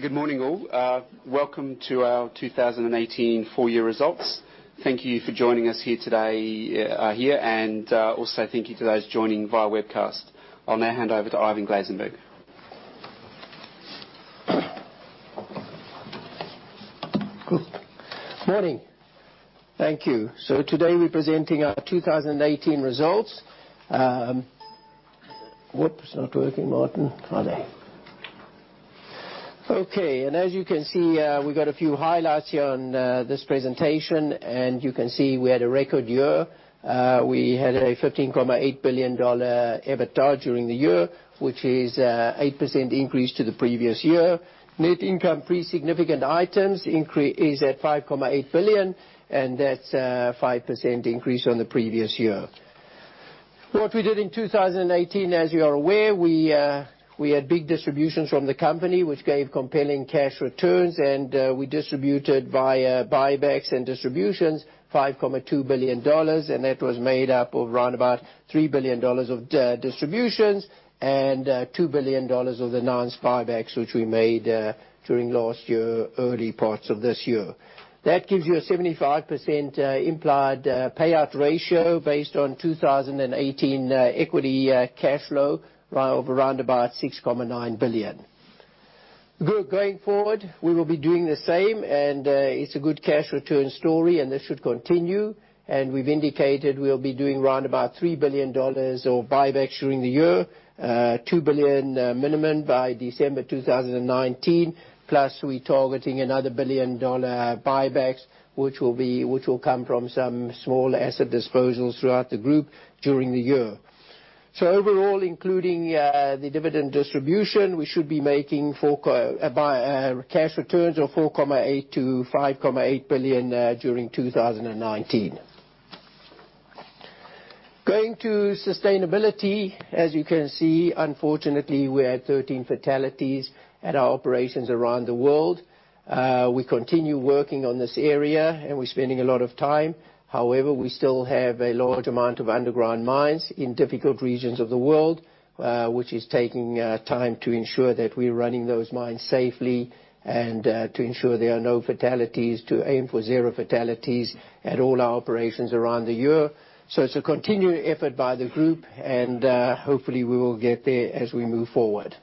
Good morning, all. Welcome to our 2018 full year results. Thank you for joining us here today, also thank you to those joining via webcast. I'll now hand over to Ivan Glasenberg. Good morning. Thank you. Today we're presenting our 2018 results. Whoops, not working, Martin, are they? Okay. As you can see, we got a few highlights here on this presentation, and you can see we had a record year. We had a $15.8 billion EBITDA during the year, which is 8% increase to the previous year. Net income pre-significant items is at $5.8 billion, and that's 5% increase on the previous year. What we did in 2018, as you are aware, we had big distributions from the company, which gave compelling cash returns, and we distributed via buybacks and distributions, $5.2 billion. That was made up of around about $3 billion of distributions and $2 billion of the announced buybacks, which we made during last year, early parts of this year. That gives you a 75% implied payout ratio based on 2018 equity cash flow of around about $6.9 billion. Going forward, we will be doing the same, and it's a good cash return story, and this should continue. We've indicated we'll be doing around about $3 billion of buybacks during the year, $2 billion minimum by December 2019. Plus, we targeting another billion-dollar buybacks, which will come from some small asset disposals throughout the group during the year. Overall, including the dividend distribution, we should be making cash returns of $4.8 billion-$5.8 billion during 2019. Going to sustainability. As you can see, unfortunately, we had 13 fatalities at our operations around the world. We continue working on this area, and we're spending a lot of time. However, we still have a large amount of underground mines in difficult regions of the world, which is taking time to ensure that we're running those mines safely and to ensure there are no fatalities, to aim for zero fatalities at all our operations around the year. It's a continuing effort by the group, and hopefully, we will get there as we move forward.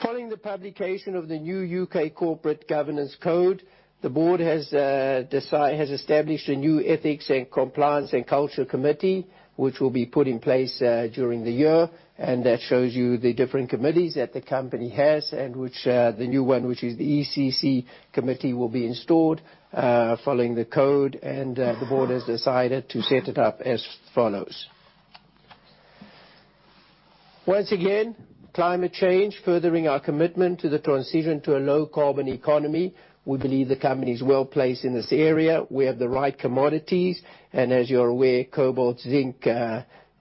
Following the publication of the new UK Corporate Governance Code, the board has established a new Ethics and Compliance and Culture Committee, which will be put in place during the year, and that shows you the different committees that the company has and which the new one, which is the ECC committee, will be installed following the code. The board has decided to set it up as follows. Once again, climate change, furthering our commitment to the transition to a low carbon economy. We believe the company is well-placed in this area. We have the right commodities. As you are aware, cobalt, zinc,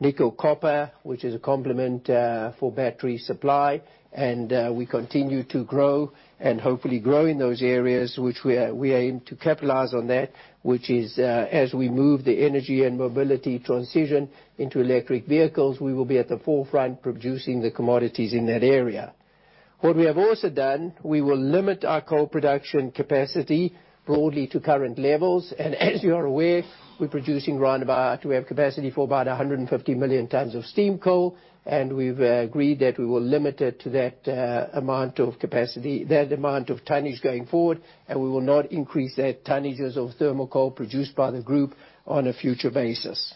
nickel, copper, which is a complement for battery supply. We continue to grow and hopefully grow in those areas which we aim to capitalize on that, which is as we move the energy and mobility transition into electric vehicles, we will be at the forefront producing the commodities in that area. What we have also done, we will limit our coal production capacity broadly to current levels. As you are aware, we're producing around about We have capacity for about 150 million tons of steam coal, and we've agreed that we will limit it to that amount of tonnage going forward, and we will not increase that tonnages of thermal coal produced by the group on a future basis.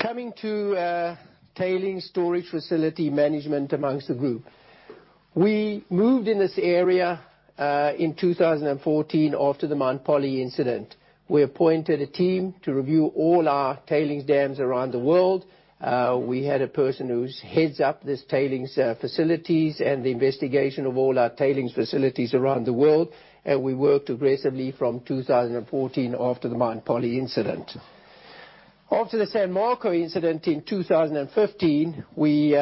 Coming to tailings storage facility management amongst the group. We moved in this area in 2014 after the Mount Polley incident. We appointed a team to review all our tailings dams around the world. We had a person who heads up this tailings facilities and the investigation of all our tailings facilities around the world. We worked aggressively from 2014 after the Mount Polley incident. After the Samarco incident in 2015, we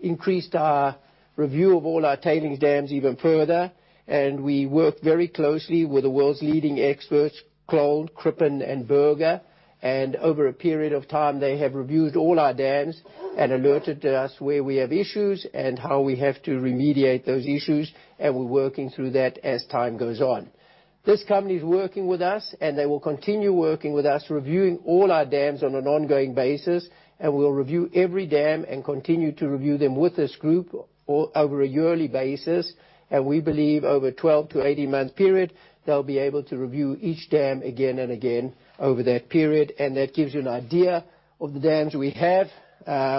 increased our review of all our tailings dams even further. We worked very closely with the world's leading experts, Klohn Crippen Berger. Over a period of time, they have reviewed all our dams and alerted us where we have issues and how we have to remediate those issues. We're working through that as time goes on. This company is working with us. They will continue working with us, reviewing all our dams on an ongoing basis. We'll review every dam and continue to review them with this group over a yearly basis. We believe over 12 to 18 months period, they'll be able to review each dam again and again over that period. That gives you an idea of the dams we have,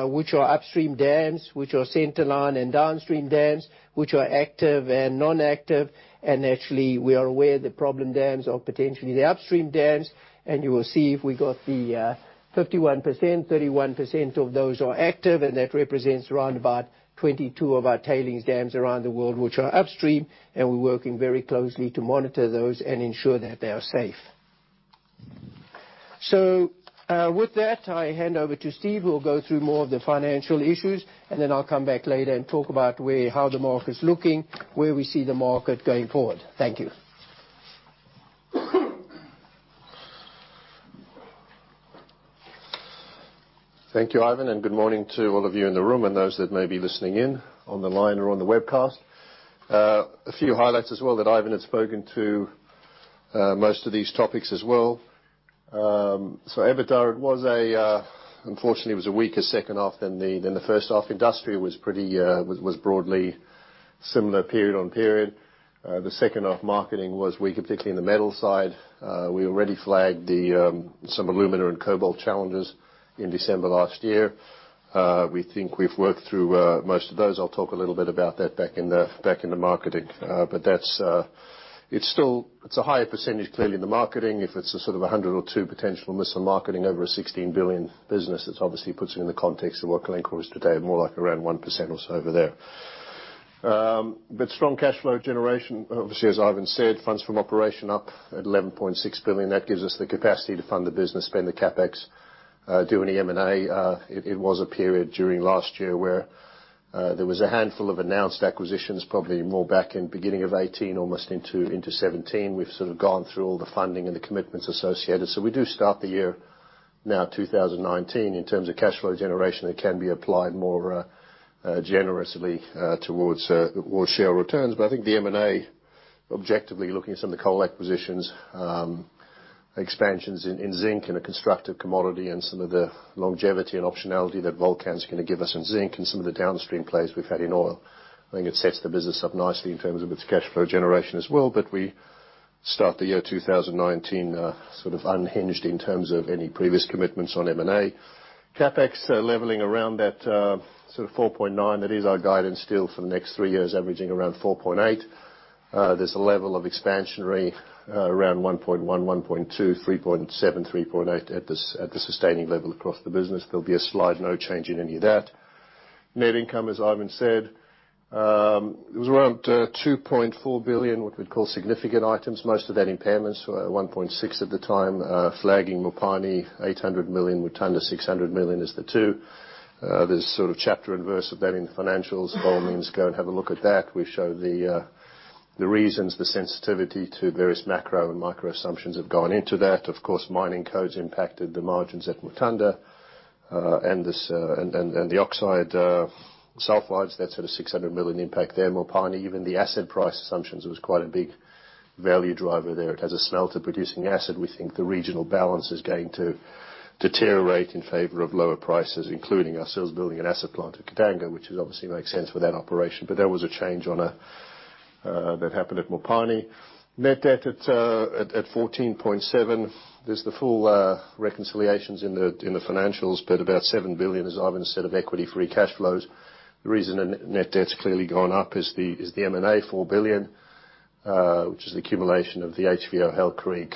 which are upstream dams, which are centerline and downstream dams, which are active and non-active. Actually, we are aware the problem dams are potentially the upstream dams. You will see if we got the 51%, 31% of those are active. That represents around about 22 of our tailings dams around the world which are upstream. We're working very closely to monitor those and ensure that they are safe. With that, I hand over to Steve, who will go through more of the financial issues. Then I'll come back later and talk about how the market's looking, where we see the market going forward. Thank you. Thank you, Ivan, and good morning to all of you in the room and those that may be listening in on the line or on the webcast. A few highlights as well that Ivan had spoken to most of these topics as well. EBITDA, unfortunately, it was a weaker second half than the first half. Industry was broadly similar period on period. The second half marketing was weak, particularly in the metal side. We already flagged some alumina and cobalt challenges in December last year. We think we've worked through most of those. I'll talk a little bit about that back in the marketing. It's a higher percentage clearly in the marketing. If it's a sort of 100 or 2 potential miss on marketing over a $16 billion business, it obviously puts it in the context of where Glencore is today, more like around 1% or so over there. Strong cash flow generation, obviously, as Ivan said, funds from operation up at $11.6 billion. That gives us the capacity to fund the business, spend the CapEx, do any M&A. It was a period during last year where there was a handful of announced acquisitions, probably more back in beginning of 2018, almost into 2017. We've sort of gone through all the funding and the commitments associated. We do start the year now, 2019, in terms of cash flow generation, that can be applied more generously towards share returns. I think the M&A, objectively, looking at some of the coal acquisitions, expansions in zinc in a constructive commodity, and some of the longevity and optionality that Volcan's going to give us in zinc and some of the downstream plays we've had in oil. I think it sets the business up nicely in terms of its cash flow generation as well. We start the year 2019 unhinged in terms of any previous commitments on M&A. CapEx leveling around that $4.9 billion. That is our guidance still for the next three years, averaging around $4.8 billion. There's a level of expansionary around $1.1 billion, $1.2 billion, $3.7 billion, $3.8 billion at the sustaining level across the business. There'll be a slide, no change in any of that. Net income, as Ivan said, it was around $2.4 billion, what we'd call significant items, most of that impairments were $1.6 billion at the time, flagging Mopani $800 million, Mutanda $600 million is the two. There's sort of chapter and verse of that in the financials. By all means, go and have a look at that. We show the reasons, the sensitivity to various macro and micro assumptions have gone into that. Of course, mining codes impacted the margins at Mutanda. The oxide sulfides, that's at a $600 million impact there. Mopani, even the asset price assumptions was quite a big value driver there. As a smelter-producing asset, we think the regional balance is going to deteriorate in favor of lower prices, including ourselves building an asset plant at Katanga, which obviously makes sense for that operation. There was a change that happened at Mopani. Net debt at $14.7 billion. There's the full reconciliations in the financials, but about $7 billion, as Ivan said, of equity free cash flows. The reason net debt's clearly gone up is the M&A, $4 billion, which is the accumulation of the HVO Hail Creek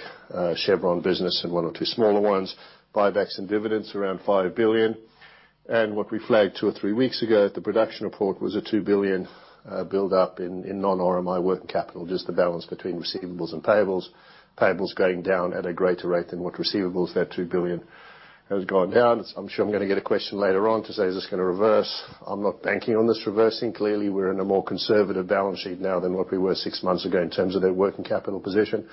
Chevron business and one or 2 smaller ones. Buybacks and dividends around $5 billion. What we flagged two or three weeks ago at the production report was a $2 billion buildup in non-RMI working capital, just the balance between receivables and payables. Payables going down at a greater rate than what receivables, that $2 billion has gone down. I'm sure I'm going to get a question later on to say, "Is this going to reverse?" I'm not banking on this reversing. Clearly, we're in a more conservative balance sheet now than what we were six months ago in terms of that working capital position.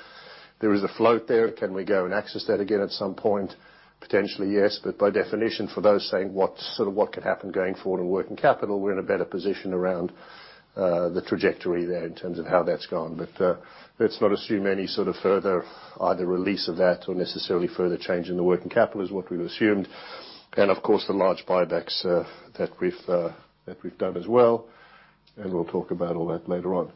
There is a float there. Can we go and access that again at some point? Potentially, yes. By definition, for those saying what could happen going forward on working capital, we're in a better position around the trajectory there in terms of how that's gone. Let's not assume any sort of further either release of that or necessarily further change in the working capital is what we've assumed. Of course, the large buybacks that we've done as well, and we'll talk about all that later on.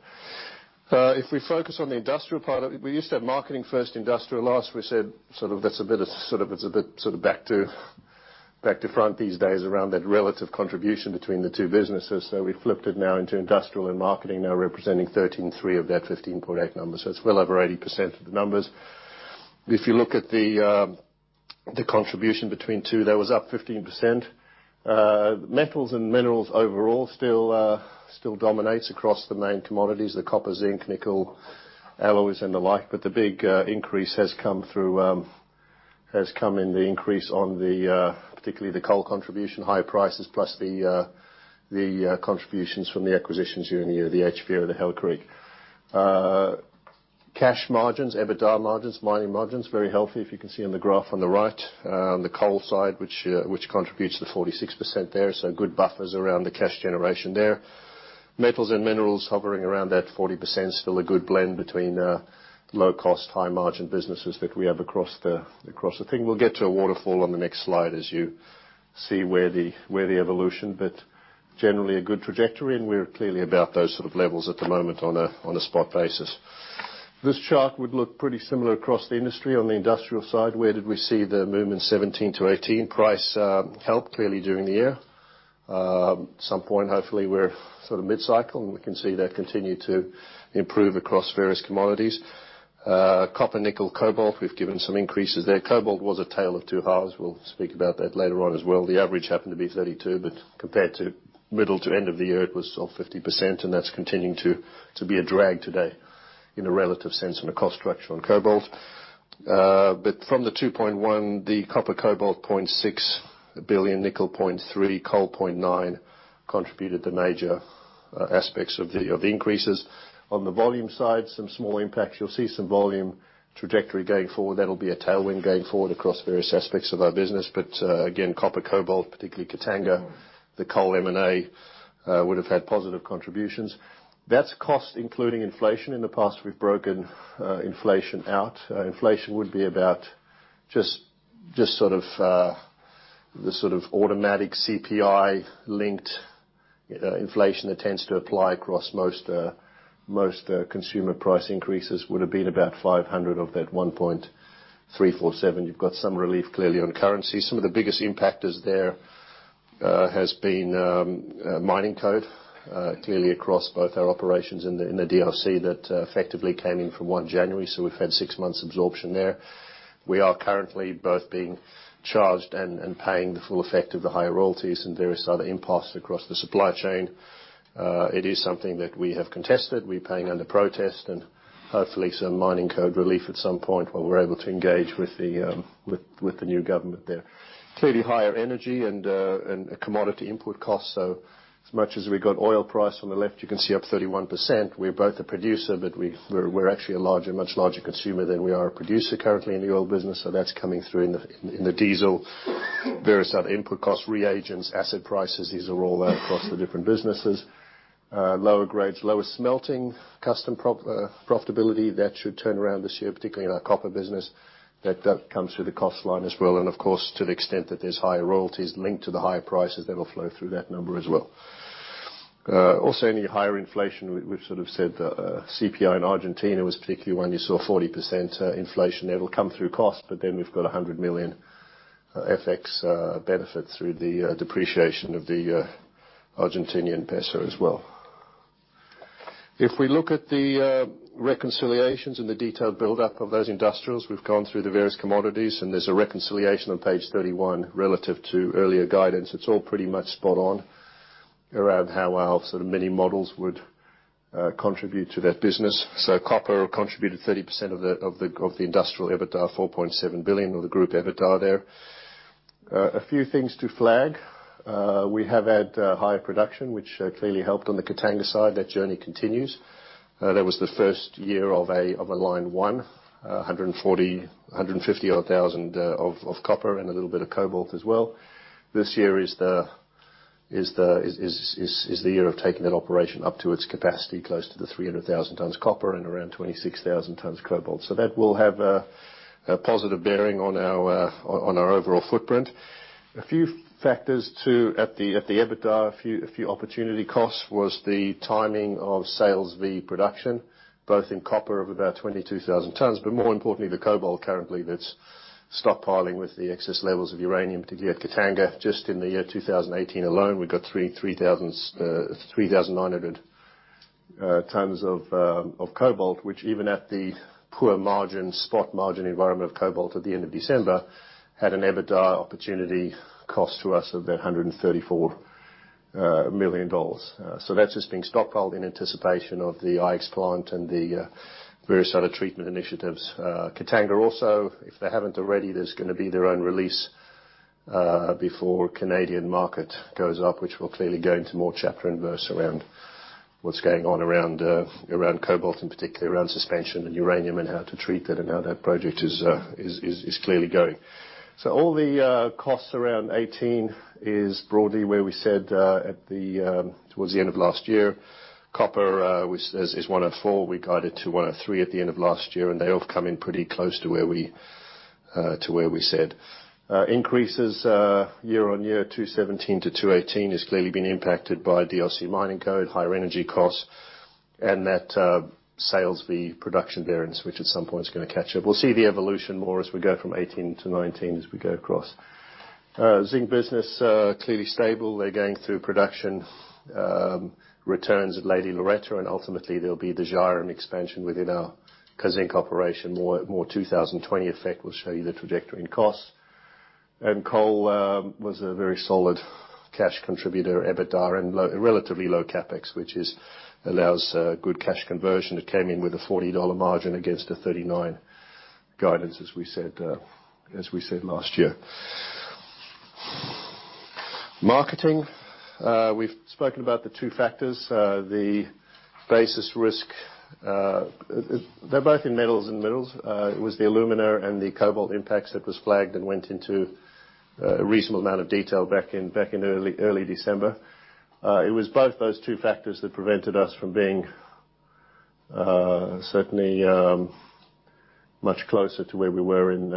If we focus on the industrial part, we used to have marketing first, industrial last. We said it's a bit back to front these days around that relative contribution between the two businesses. We flipped it now into industrial and marketing now representing $13.3 of that $15.8 number. It's well over 80% of the numbers. If you look at the contribution between two, that was up 15%. Metals and minerals overall still dominates across the main commodities, the copper, zinc, nickel, alloys, and the like. The big increase has come in the increase on particularly the coal contribution, high prices, plus the contributions from the acquisitions during the year, the HVO, the Hail Creek. Cash margins, EBITDA margins, mining margins, very healthy, if you can see on the graph on the right. On the coal side, which contributes to the 46% there. Good buffers around the cash generation there. Metals and minerals hovering around that 40%, still a good blend between low cost, high margin businesses that we have across the thing. We'll get to a waterfall on the next slide as you see where the evolution, but generally a good trajectory, and we're clearly about those sort of levels at the moment on a spot basis. This chart would look pretty similar across the industry. On the industrial side, where did we see the movement 2017 to 2018? Price helped clearly during the year. At some point, hopefully, we're mid-cycle, and we can see that continue to improve across various commodities. Copper, nickel, cobalt, we've given some increases there. Cobalt was a tale of two halves. We'll speak about that later on as well. The average happened to be $32, but compared to middle to end of the year, it was off 50%, and that's continuing to be a drag today in a relative sense on a cost structure on cobalt. From the $2.1, the copper cobalt $0.6 billion nickel $0.3 coal $0.9 contributed the major aspects of the increases. On the volume side, some small impacts. You'll see some volume trajectory going forward. That'll be a tailwind going forward across various aspects of our business. Again, copper, cobalt, particularly Katanga, the coal M&A, would have had positive contributions. That's cost including inflation. In the past, we've broken inflation out. Inflation would be about just the sort of automatic CPI-linked inflation that tends to apply across most consumer price increases, would have been about $500 of that $1.347. You've got some relief clearly on currency. Some of the biggest impacters there, has been Mining Code, clearly across both our operations in the DRC that effectively came in from 1 January, so we've had six months absorption there. We are currently both being charged and paying the full effect of the higher royalties and various other impacts across the supply chain. It is something that we have contested. We're paying under protest, hopefully some Mining Code relief at some point when we're able to engage with the new government there. Clearly higher energy and commodity input costs. As much as we got oil price on the left, you can see up 31%. We're both a producer, but we're actually a much larger consumer than we are a producer currently in the oil business. That's coming through in the diesel. Various other input costs, reagents, acid prices, these are all across the different businesses. Lower grades, lower smelting, custom profitability, that should turn around this year, particularly in our copper business, that comes through the cost line as well. Of course, to the extent that there's higher royalties linked to the higher prices, that will flow through that number as well. Also, any higher inflation, we've said that CPI in Argentina was particularly one you saw 40% inflation. It'll come through cost, but then we've got $100 million FX benefit through the depreciation of the Argentinian peso as well. If we look at the reconciliations and the detailed buildup of those industrials, we've gone through the various commodities, and there's a reconciliation on page 31 relative to earlier guidance. It's all pretty much spot on around how our mini models would contribute to that business. Copper contributed 30% of the industrial EBITDA, $4.7 billion of the group EBITDA there. A few things to flag. We have had higher production, which clearly helped on the Katanga side. That journey continues. That was the first year of a line one, 140,000, 150,000 odd of copper and a little bit of cobalt as well. This year is the year of taking that operation up to its capacity, close to the 300,000 tons copper and around 26,000 tons cobalt. That will have a positive bearing on our overall footprint. A few factors too, at the EBITDA, a few opportunity costs was the timing of sales v production, both in copper of about 22,000 tons, but more importantly, the cobalt currently that's stockpiling with the excess levels of uranium, particularly at Katanga. Just in the year 2018 alone, we got 3,900 tons of cobalt, which even at the poor spot margin environment of cobalt at the end of December, had an EBITDA opportunity cost to us of about $134 million. That's just being stockpiled in anticipation of the IX plant and the various other treatment initiatives. Katanga also, if they haven't already, there's going to be their own release before Canadian market goes up, which will clearly go into more chapter and verse around what's going on around cobalt and particularly around suspension and uranium and how to treat that and how that project is clearly going. All the costs around 2018 is broadly where we said towards the end of last year. Copper, which is 104, we guided to 103 at the end of last year, and they all come in pretty close to where we said. Increases year-on-year, 2017 to 2018 has clearly been impacted by DRC Mining Code, higher energy costs, and that sales v production variance, which at some point is going to catch up. We'll see the evolution more as we go from 2018 to 2019 as we go across. Zinc business, clearly stable. They're going through production returns at Lady Loretta, and ultimately, there'll be the Zhairem expansion within our Kazzinc operation, more 2020 effect will show you the trajectory in costs. Coal was a very solid cash contributor, EBITDA and relatively low CapEx, which allows good cash conversion. It came in with a $40 margin against a 39 guidance, as we said last year. Marketing. We've spoken about the two factors, the basis risk. They're both in metals and minerals. It was the alumina and the cobalt impacts that was flagged and went into a reasonable amount of detail back in early December. It was both those two factors that prevented us from being certainly much closer to where we were in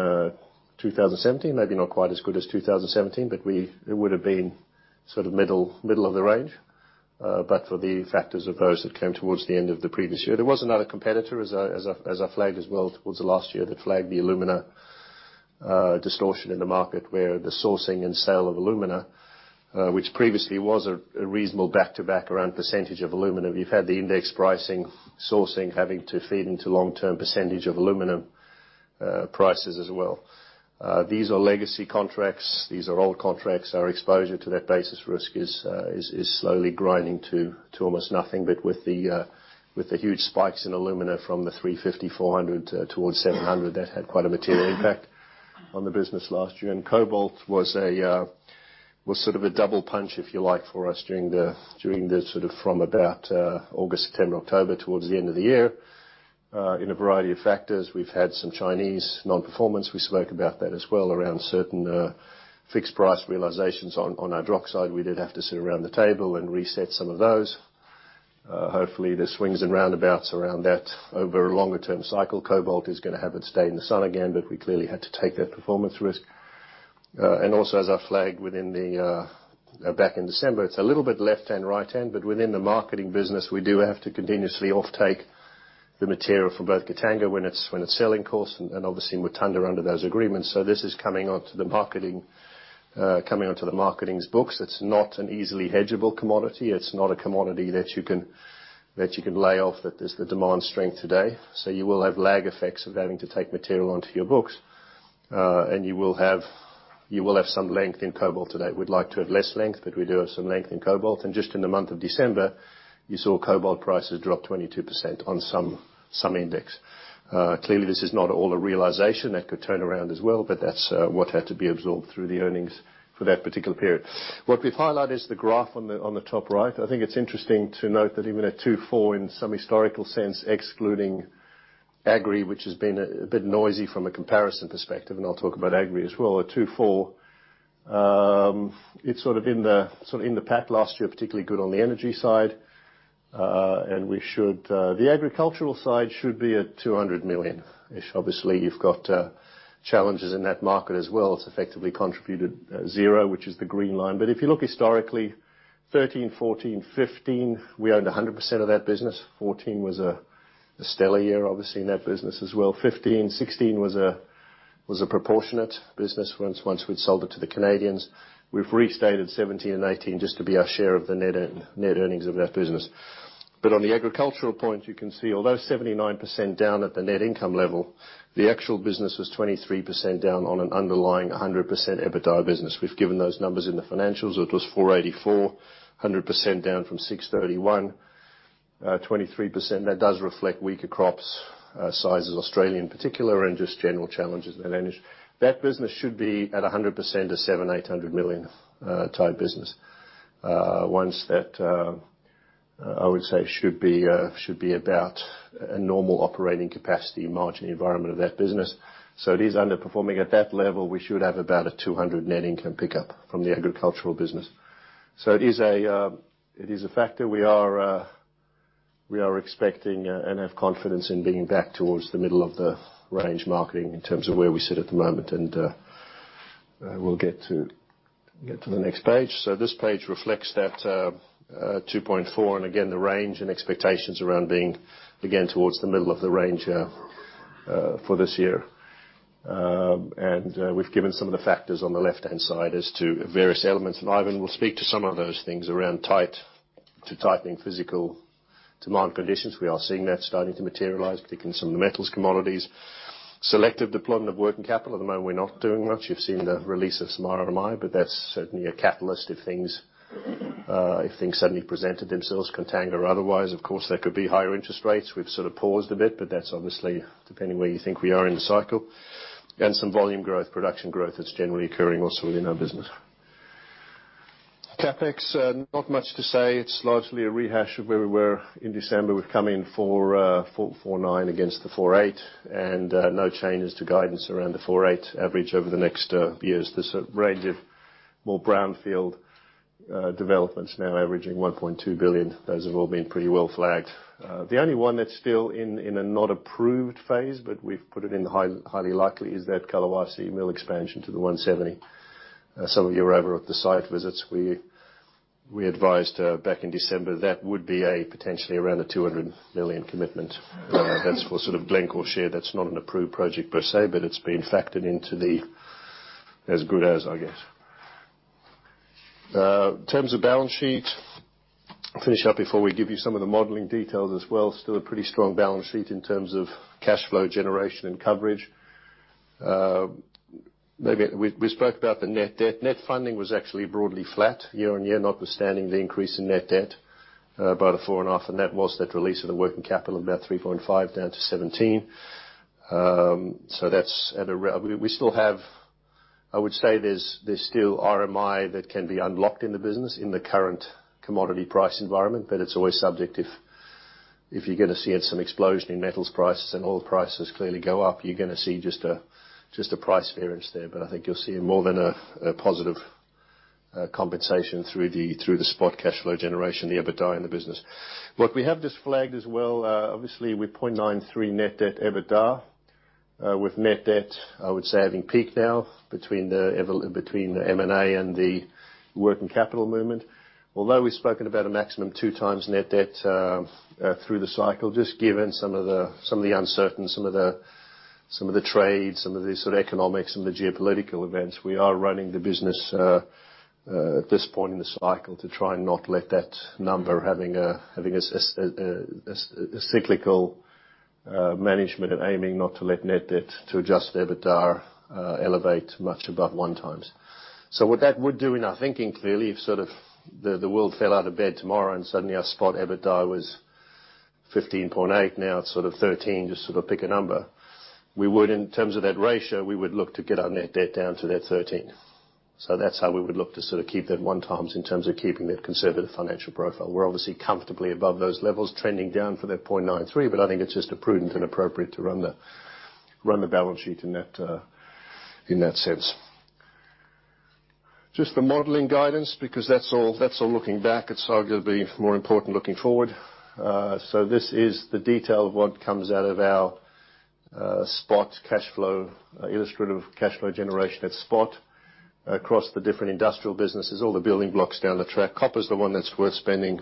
2017, maybe not quite as good as 2017, but it would have been middle of the range. For the factors of those that came towards the end of the previous year. There was another competitor, as I flagged as well towards the last year that flagged the alumina distortion in the market where the sourcing and sale of alumina, which previously was a reasonable back-to-back around percentage of alumina. We've had the index pricing sourcing having to feed into long-term percentage of alumina prices as well. These are legacy contracts. These are old contracts. Our exposure to that basis risk is slowly grinding to almost nothing. With the huge spikes in alumina from the $350, $400 towards $700, that had quite a material impact on the business last year. Cobalt was sort of a double punch, if you like, for us during the sort of from about August, September, October towards the end of the year, in a variety of factors. We've had some Chinese non-performance. We spoke about that as well around certain fixed price realizations on our hydroxide. We did have to sit around the table and reset some of those. Hopefully, there's swings and roundabouts around that over a longer-term cycle. Cobalt is going to have its day in the sun again, but we clearly had to take that performance risk. Also, as I flagged back in December, it's a little bit left-hand, right-hand, but within the marketing business, we do have to continuously offtake the material for both Katanga when it's selling coarse and obviously Mutanda under those agreements. This is coming onto the marketing's books. It's not an easily hedgeable commodity. It's not a commodity that you can lay off that there's the demand strength today. You will have lag effects of having to take material onto your books. You will have some length in cobalt today. We'd like to have less length, but we do have some length in cobalt. Just in the month of December, you saw cobalt prices drop 22% on some index. Clearly, this is not all a realization that could turn around as well, but that's what had to be absorbed through the earnings for that particular period. What we've highlighted is the graph on the top right. I think it's interesting to note that even at 2.4 in some historical sense, excluding Agri, which has been a bit noisy from a comparison perspective, and I'll talk about Agri as well, at 2.4. It's sort of in the pack last year, particularly good on the energy side. The agricultural side should be at $200 million-ish. Obviously, you've got challenges in that market as well. It's effectively contributed zero, which is the green line. If you look historically, 2013, 2014, 2015, we owned 100% of that business. 2014 was a stellar year, obviously, in that business as well. 2015, 2016 was a proportionate business once we'd sold it to the Canadians. We've restated 2017 and 2018 just to be our share of the net earnings of that business. On the agricultural point, you can see, although 79% down at the net income level, the actual business was 23% down on an underlying 100% EBITDA business. We've given those numbers in the financials. It was $484, 100% down from $631, 23%. That does reflect weaker crops sizes, Australia in particular, and just general challenges in that industry. That business should be at 100% a $700 million-$800 million type business. Once that, I would say, should be about a normal operating capacity margin environment of that business. It is underperforming at that level. We should have about a $200 net income pickup from the agricultural business. It is a factor we are expecting and have confidence in being back towards the middle of the range marketing in terms of where we sit at the moment. We'll get to the next page. This page reflects that 2.4, and again, the range and expectations around being, again, towards the middle of the range here for this year. We've given some of the factors on the left-hand side as to various elements. Ivan will speak to some of those things around tight to tightening physical demand conditions. We are seeing that starting to materialize, particularly in some of the metals commodities. Selective deployment of working capital. At the moment, we're not doing much. You've seen the release of some RMI, but that's certainly a catalyst if things suddenly presented themselves, Katanga or otherwise. Of course, there could be higher interest rates. We've sort of paused a bit, but that's obviously depending where you think we are in the cycle. Some volume growth, production growth that's generally occurring also within our business. CapEx, not much to say. It's largely a rehash of where we were in December. We've come in $4.9 billion against the $4.8 billion, and no changes to guidance around the $4.8 billion average over the next years. There's a range of more brownfield developments now averaging $1.2 billion. Those have all been pretty well flagged. The only one that's still in a not approved phase, but we've put it in highly likely, is that Kolwezi mill expansion to the 170. Some of you were over at the site visits. We advised back in December that would be a potentially around a $200 million commitment. That's for sort of Glencore share. That's not an approved project per se, but it's been factored into the as good as, I guess. In terms of balance sheet, finish up before we give you some of the modeling details as well. Still a pretty strong balance sheet in terms of cash flow generation and coverage. We spoke about the net debt. Net funding was actually broadly flat year-over-year, notwithstanding the increase in net debt by the $4.5, and that was that release of the working capital of about $3.5 down to $17. I would say there's still RMI that can be unlocked in the business in the current commodity price environment, but it's always subject if you're going to see some explosion in metals prices and oil prices clearly go up, you're going to see just a price variance there. I think you'll see more than a positive compensation through the spot cash flow generation, the EBITDA in the business. Look, we have this flagged as well. Obviously, we're 0.93 net debt EBITDA. With net debt, I would say having peaked now between the M&A and the working capital movement. Although we've spoken about a maximum 2 times net debt through the cycle, just given some of the uncertain, some of the trade, some of the sort of economics and the geopolitical events, we are running the business at this point in the cycle to try and not let that number having a cyclical management and aiming not to let net debt to adjusted EBITDA elevate much above 1 times. What that would do in our thinking, clearly, if the world fell out of bed tomorrow and suddenly our spot EBITDA was $15.8, now it's $13, just sort of pick a number. We would, in terms of that ratio, we would look to get our net debt down to that $13. That's how we would look to keep that 1 times in terms of keeping that conservative financial profile. We're obviously comfortably above those levels, trending down for that 0.93, but I think it's just a prudent and appropriate to run the balance sheet in that sense. Just the modeling guidance, because that's all looking back. It's arguably more important looking forward. This is the detail of what comes out of our spot cash flow, illustrative cash flow generation at spot across the different industrial businesses, all the building blocks down the track. Copper's the one that's worth spending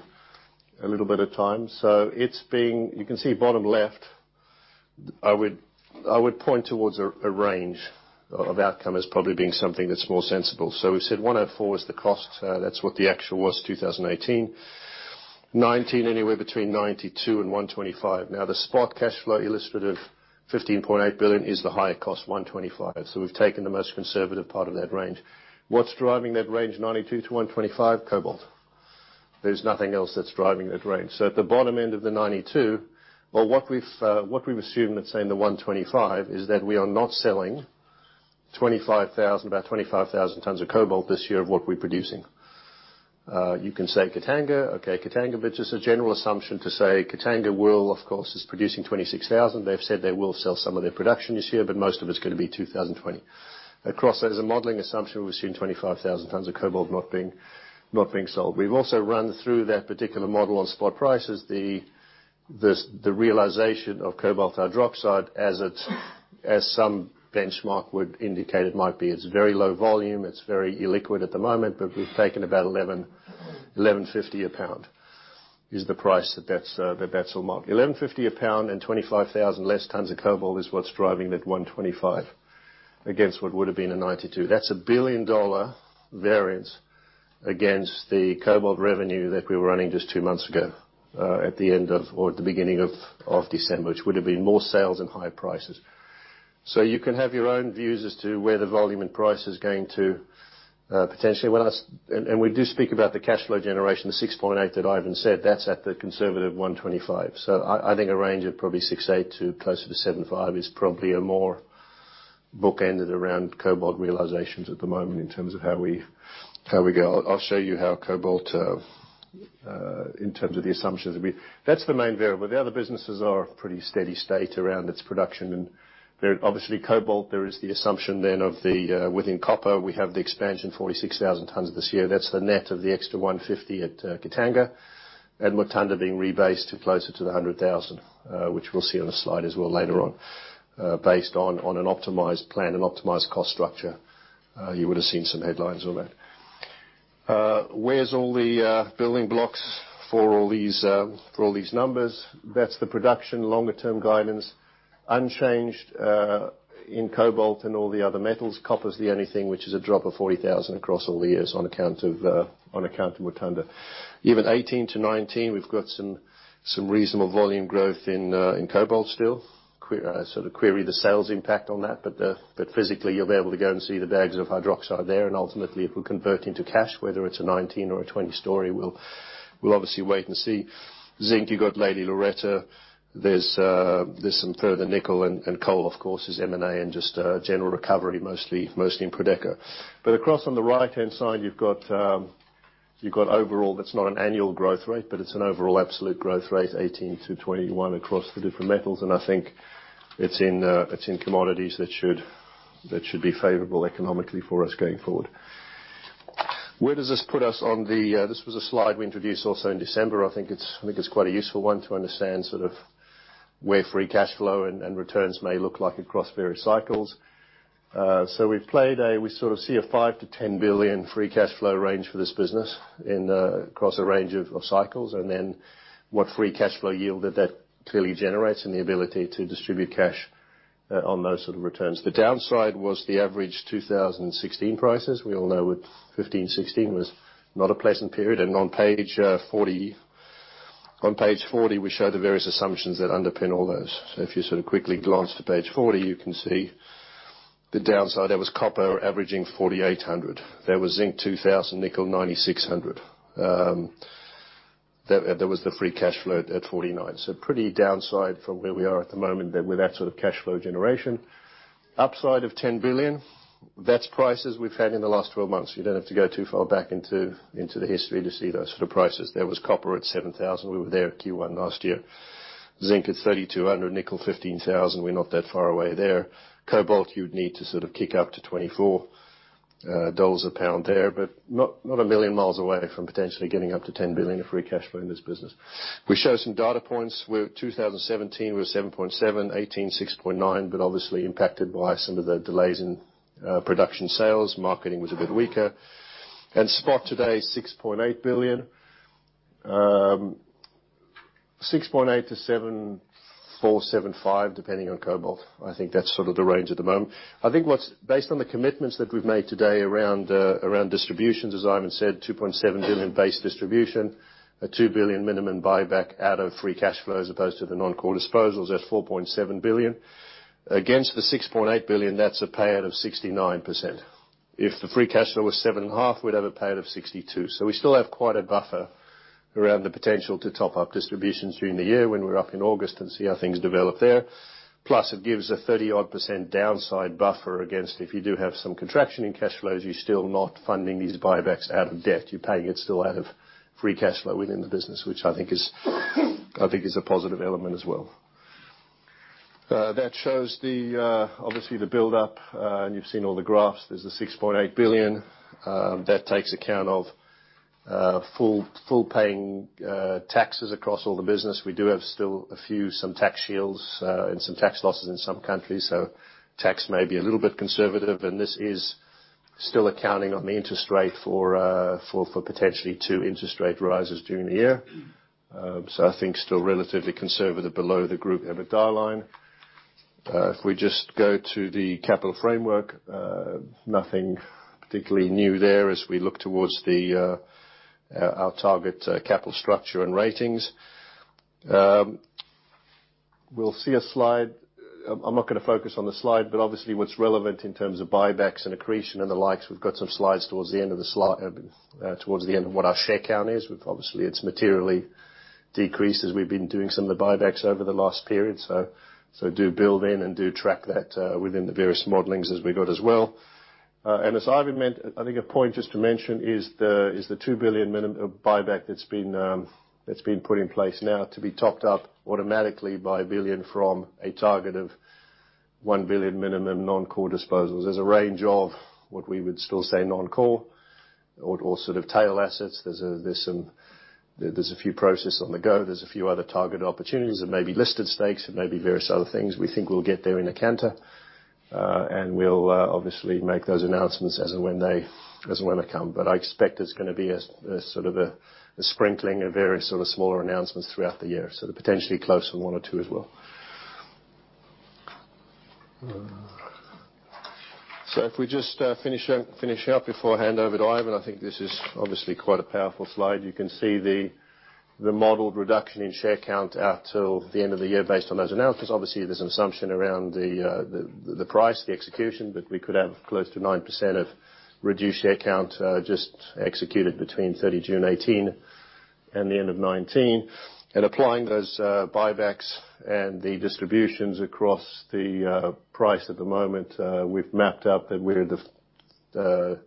a little bit of time. You can see bottom left, I would point towards a range of outcome as probably being something that's more sensible. We've said $104 is the cost. That's what the actual was 2018. 2019, anywhere between $92 and $125. Now, the spot cash flow illustrative, $15.8 billion, is the higher cost, $125. We've taken the most conservative part of that range. What's driving that range, $92 to $125? Cobalt. There's nothing else that's driving that range. At the bottom end of the $92, what we've assumed at, say, in the $125 is that we are not selling about 25,000 tons of cobalt this year of what we're producing. You can say Katanga. Okay, Katanga, but just a general assumption to say Katanga will, of course, is producing 26,000. They've said they will sell some of their production this year, most of it's going to be 2020. Across that, as a modeling assumption, we've assumed 25,000 tons of cobalt not being sold. We've also run through that particular model on spot prices. The realization of cobalt hydroxide as some benchmark would indicate it might be. It's very low volume, it's very illiquid at the moment, we've taken about $11.50 a pound is the price that that's the benchmark. $11.50 a pound and 25,000 less tons of cobalt is what's driving that $125 against what would've been a $92. That's a $1 billion-dollar variance against the cobalt revenue that we were running just two months ago, at the end of or at the beginning of December, which would have been more sales and higher prices. You can have your own views as to where the volume and price is going to, potentially. We do speak about the cashflow generation, the $6.8 that Ivan said. That's at the conservative $125. I think a range of probably $6.8 to closer to $7.5 is probably a more bookended around cobalt realizations at the moment in terms of how we go. I'll show you how cobalt, in terms of the assumptions. That's the main variable. The other businesses are a pretty steady state around its production. Obviously, cobalt, there is the assumption then of the, within copper, we have the expansion, 46,000 tons this year. That's the net of the extra 150 at Katanga. Mutanda being rebased to closer to the 100,000, which we'll see on a slide as well later on, based on an optimized plan and optimized cost structure. You would have seen some headlines on that. Where's all the building blocks for all these numbers? That's the production longer term guidance. Unchanged, in cobalt and all the other metals. Copper's the only thing which is a drop of 40,000 across all the years on account of Mutanda. Even 2018 to 2019, we've got some reasonable volume growth in cobalt still. Sort of query the sales impact on that, physically, you'll be able to go and see the bags of hydroxide there, and ultimately, if we convert into cash, whether it's a 2019 or a 2020 story, we'll obviously wait and see. Zinc, you got Lady Loretta. There's some further nickel and coal, of course, is M&A and just a general recovery, mostly in Prodeco. Across on the right-hand side, you've got overall, that's not an annual growth rate, it's an overall absolute growth rate, 2018 to 2021 across the different metals, and I think it's in commodities that should be favorable economically for us going forward. Where does this put us on the? This was a slide we introduced also in December. I think it's quite a useful one to understand sort of where free cashflow and returns may look like across various cycles. We sort of see a $5 billion-$10 billion free cashflow range for this business across a range of cycles, and then what free cashflow yield that that clearly generates and the ability to distribute cash on those sort of returns. The downside was the average 2016 prices. We all know with 2015, 2016 was not a pleasant period. On page 40, we show the various assumptions that underpin all those. If you sort of quickly glance to page 40, you can see the downside. There was copper averaging $4,800. There was zinc $2,000, nickel $9,600. There was the free cash flow at $49. So pretty downside from where we are at the moment there with that sort of cash flow generation. Upside of $10 billion. That's prices we've had in the last 12 months. You don't have to go too far back into the history to see those sort of prices. There was copper at $7,000. We were there at Q1 last year. Zinc at $3,200, nickel $15,000. We're not that far away there. Cobalt, you'd need to sort of kick up to $24 a pound there, but not a million miles away from potentially getting up to $10 billion of free cash flow in this business. We show some data points where 2017 was $7.7, 2018, $6.9, but obviously impacted by some of the delays in production sales. Marketing was a bit weaker. Spot today, $6.8 billion. $6.8 to $7.4, $7.5, depending on cobalt. I think that's sort of the range at the moment. I think what's based on the commitments that we've made today around distributions, as Ivan said, $2.7 billion base distribution. A $2 billion minimum buyback out of free cash flows as opposed to the non-core disposals at $4.7 billion. Against the $6.8 billion, that's a payout of 69%. If the free cash flow was $ seven and a half, we'd have a payout of 62%. So we still have quite a buffer around the potential to top up distributions during the year when we're up in August and see how things develop there. It gives a 30-odd percent downside buffer against if you do have some contraction in cash flows, you're still not funding these buybacks out of debt. You're paying it still out of free cash flow within the business, which I think is a positive element as well. That shows obviously the buildup, and you've seen all the graphs. There's the $6.8 billion. That takes account of full-paying taxes across all the business. We do have still a few, some tax shields and some tax losses in some countries. Tax may be a little bit conservative, and this is still accounting on the interest rate for potentially two interest rate rises during the year. I think still relatively conservative below the group EBITDA line. If we just go to the capital framework. Nothing particularly new there as we look towards our target capital structure and ratings. We'll see a slide, I'm not going to focus on the slide, but obviously, what's relevant in terms of buybacks and accretion and the likes, we've got some slides towards the end of what our share count is. Obviously, it's materially decreased as we've been doing some of the buybacks over the last period. Do build in and do track that within the various modelings as we go as well. As Ivan meant, I think a point just to mention is the $2 billion minimum buyback that's been put in place now to be topped up automatically by $1 billion from a target of $1 billion minimum non-core disposals. There's a range of what we would still say non-core or sort of tail assets. There's a few processes on the go. There's a few other target opportunities. There may be listed stakes, there may be various other things. We think we'll get there in the canter, we'll obviously make those announcements as and when they come. I expect it's going to be a sort of a sprinkling of various sort of smaller announcements throughout the year. Potentially closer one or two as well. If we just finish up before I hand over to Ivan, I think this is obviously quite a powerful slide. You can see the modeled reduction in share count out till the end of the year based on those announcements. Obviously, there's an assumption around the price, the execution, but we could have close to 9% of reduced share count just executed between 30 June 2018 and the end of 2019. Applying those buybacks and the distributions across the price at the moment, we've mapped out that we're the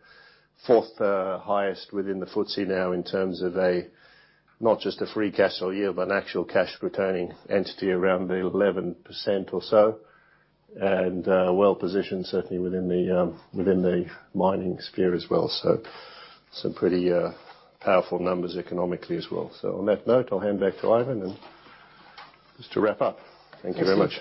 fourth highest within the FTSE now in terms of a, not just a free cash all year, but an actual cash returning entity around the 11% or so. Well-positioned, certainly within the mining sphere as well. Some pretty powerful numbers economically as well. On that note, I'll hand back to Ivan then just to wrap up. Thank you very much.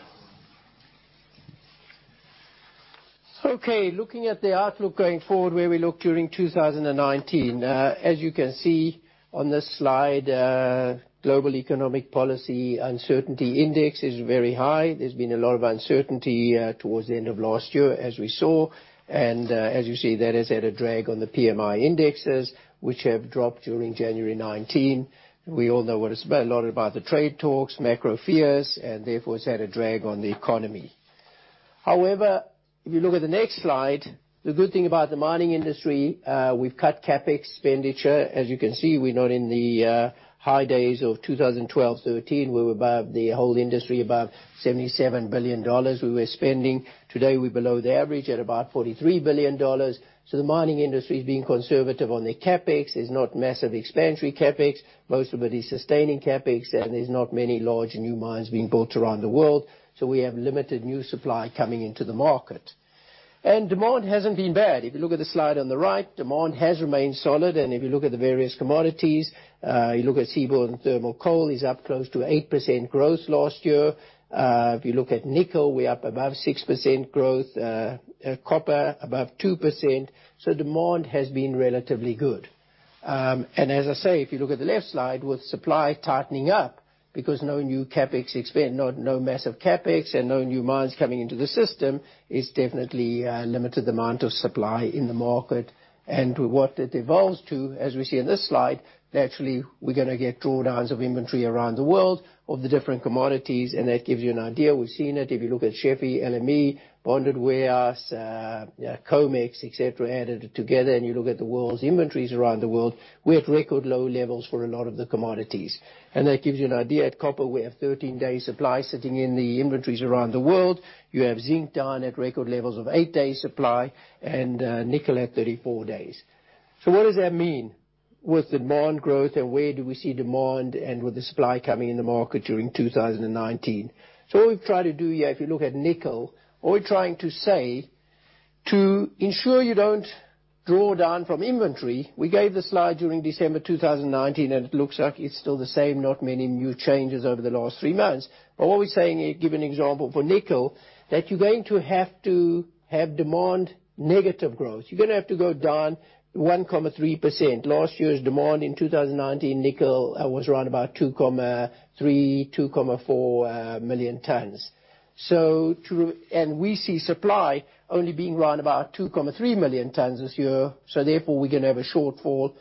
Okay, looking at the outlook going forward, where we look during 2019. As you can see on this slide, global economic policy uncertainty index is very high. There's been a lot of uncertainty towards the end of last year, as we saw. As you see, that has had a drag on the PMI indexes, which have dropped during January 2019. We all know a lot about the trade talks, macro fears, and therefore it's had a drag on the economy. However, if you look at the next slide, the good thing about the mining industry, we've cut CapEx expenditure. As you can see, we're not in the high days of 2012, 2013, where we were above the whole industry, above $77 billion we were spending. Today, we're below the average at about $43 billion. The mining industry is being conservative on their CapEx. There's no massive expansion CapEx. Most of it is sustaining CapEx, there's not many large new mines being built around the world. We have limited new supply coming into the market. Demand hasn't been bad. If you look at the slide on the right, demand has remained solid, and if you look at the various commodities, you look at seaborne thermal coal is up close to 8% growth last year. If you look at nickel, we're up above 6% growth, copper above 2%. Demand has been relatively good. As I say, if you look at the left slide, with supply tightening up because no massive CapEx and no new mines coming into the system, it's definitely limited the amount of supply in the market. What it evolves to, as we see in this slide, naturally, we are going to get drawdowns of inventory around the world of the different commodities. That gives you an idea. We have seen it. If you look at SHFE, LME, bonded warehouse, COMEX, et cetera, added together, and you look at the world's inventories around the world, we are at record low levels for a lot of the commodities. That gives you an idea. At copper, we have 13 days supply sitting in the inventories around the world. You have zinc down at record levels of eight days supply and nickel at 34 days. What does that mean with demand growth and where do we see demand and with the supply coming in the market during 2019? What we have tried to do here, if you look at nickel, all we are trying to say to ensure you do not draw down from inventory, we gave the slide during December 2019, and it looks like it is still the same, not many new changes over the last three months. What we are saying, give an example for nickel, that you are going to have to have demand negative growth. You are going to have to go down 1.3%. Last year's demand in 2019, nickel was around about 2.3, 2.4 million tons. We see supply only being around about 2.3 million tons this year. Therefore, we are going to have a shortfall.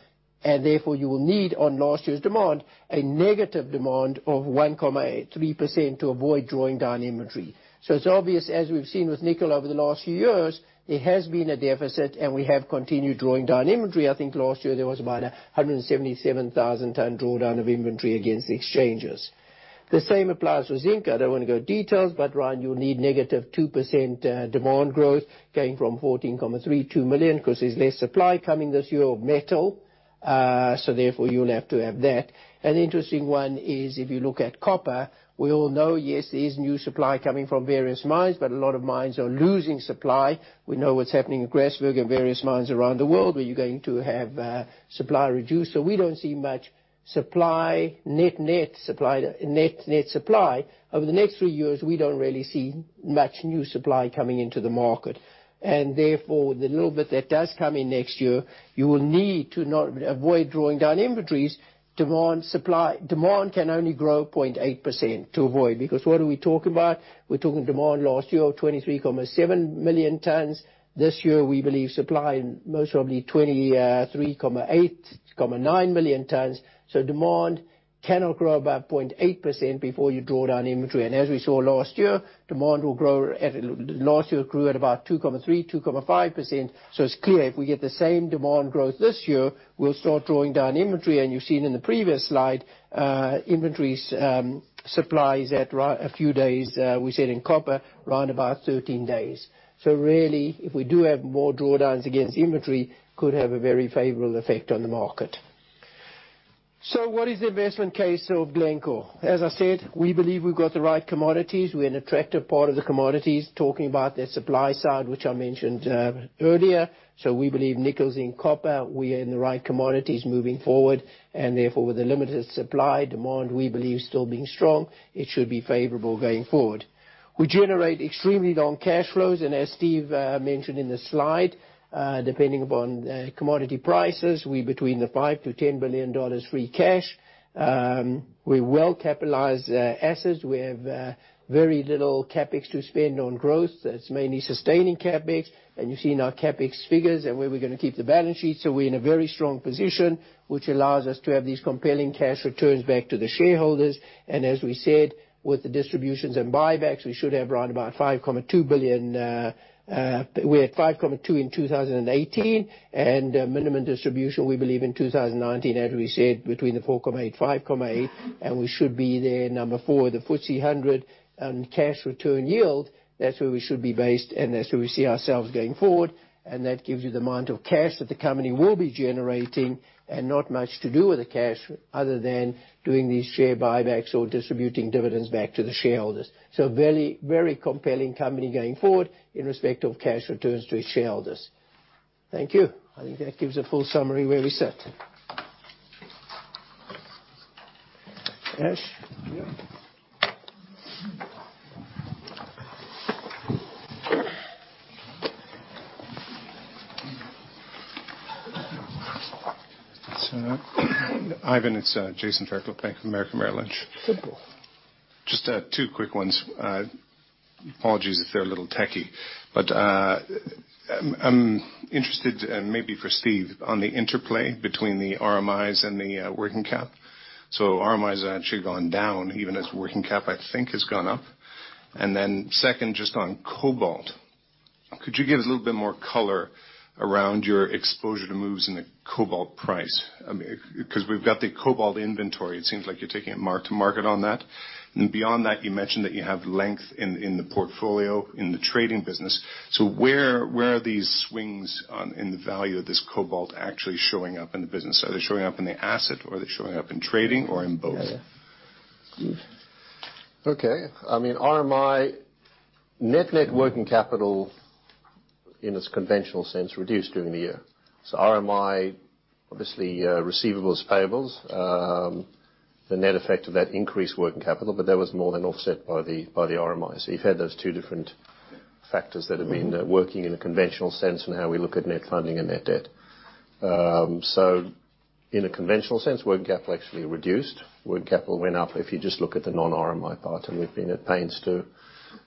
Therefore, you will need on last year's demand, a negative demand of 1.3% to avoid drawing down inventory. It is obvious, as we have seen with nickel over the last few years, it has been a deficit, and we have continued drawing down inventory. I think last year there was about 177,000 ton drawdown of inventory against the exchanges. The same applies for zinc. I do not want to go details, but Ryan, you will need negative 2% demand growth going from 14.3 million, because there is less supply coming this year of metal. Therefore, you will have to have that. An interesting one is if you look at copper, we all know, yes, there is new supply coming from various mines, but a lot of mines are losing supply. We know what is happening in Grasberg and various mines around the world, where you are going to have supply reduced. We do not see much supply, net supply over the next three years. We do not really see much new supply coming into the market. Therefore, the little bit that does come in next year, you will need to avoid drawing down inventories. Demand can only grow 0.8% to avoid, because what are we talking about? We are talking demand last year of 23.7 million tons. This year, we believe supply most probably 23.8, 23.9 million tons. Demand cannot grow by 0.8% before you draw down inventory. As we saw last year, demand grew at about 2.3, 2.5%. It is clear if we get the same demand growth this year, we will start drawing down inventory, and you have seen in the previous slide, inventories supply is at a few days. We said in copper, around about 13 days. Really, if we do have more drawdowns against inventory, could have a very favorable effect on the market. What is the investment case of Glencore? As I said, we believe we've got the right commodities. We're an attractive part of the commodities, talking about that supply side, which I mentioned earlier. We believe nickel and copper, we are in the right commodities moving forward, and therefore, with the limited supply, demand, we believe still being strong, it should be favorable going forward. We generate extremely long cash flows, and as Steve mentioned in the slide, depending upon commodity prices, we between the $5 billion-$10 billion free cash. We're well-capitalized assets. We have very little CapEx to spend on growth. That's mainly sustaining CapEx. You see in our CapEx figures and where we're going to keep the balance sheet. We're in a very strong position, which allows us to have these compelling cash returns back to the shareholders. As we said, with the distributions and buybacks, we should have right about $5.2 billion. We're at $5.2 billion in 2018. Minimum distribution, we believe in 2019, as we said, between $4.8 billion-$5.8 billion. We should be there, number 4, the FTSE 100 on cash return yield. That's where we should be based, and that's where we see ourselves going forward. That gives you the amount of cash that the company will be generating, and not much to do with the cash other than doing these share buybacks or distributing dividends back to the shareholders. Very compelling company going forward in respect of cash returns to its shareholders. Thank you. I think that gives a full summary where we sit. Ash? Yeah. Ivan, it's Jason Fairclough, Bank of America Merrill Lynch. Simple. Just two quick ones. Apologies if they're a little techy. I'm interested, and maybe for Steve, on the interplay between the RMIs and the working cap. RMIs actually gone down, even as working cap, I think, has gone up. Then second, just on cobalt. Could you give us a little bit more color around your exposure to moves in the cobalt price? Because we've got the cobalt inventory. It seems like you're taking it mark to market on that. Beyond that, you mentioned that you have length in the portfolio, in the trading business. Where are these swings in the value of this cobalt actually showing up in the business? Are they showing up in the asset, or are they showing up in trading or in both? Yeah. Yeah. Okay. RMI net working capital in its conventional sense reduced during the year. RMI, obviously, receivables, payables, the net effect of that increased working capital, but that was more than offset by the RMIs. You've had those two different factors that have been working in a conventional sense in how we look at net funding and net debt. In a conventional sense, working capital actually reduced. Working capital went up if you just look at the non-RMI part, and we've been at pains to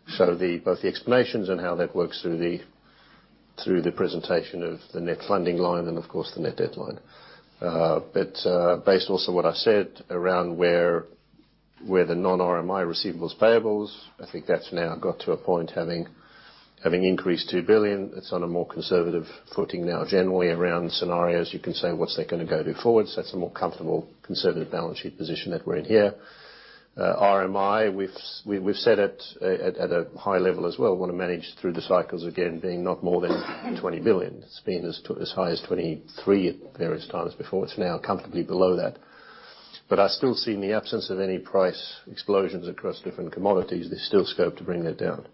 show both the explanations and how that works through the presentation of the net funding line and of course, the net debt line. Based also what I said around where the non-RMI receivables, payables, I think that's now got to a point, having increased $2 billion, it's on a more conservative footing now generally around scenarios. You can say, what's that going to go to forward? That's a more comfortable conservative balance sheet position that we're in here. RMI, we've set it at a high level as well. Want to manage through the cycles again, being not more than $20 billion. It's been as high as $23 billion at various times before. It's now comfortably below that. I still see in the absence of any price explosions across different commodities, there's still scope to bring that down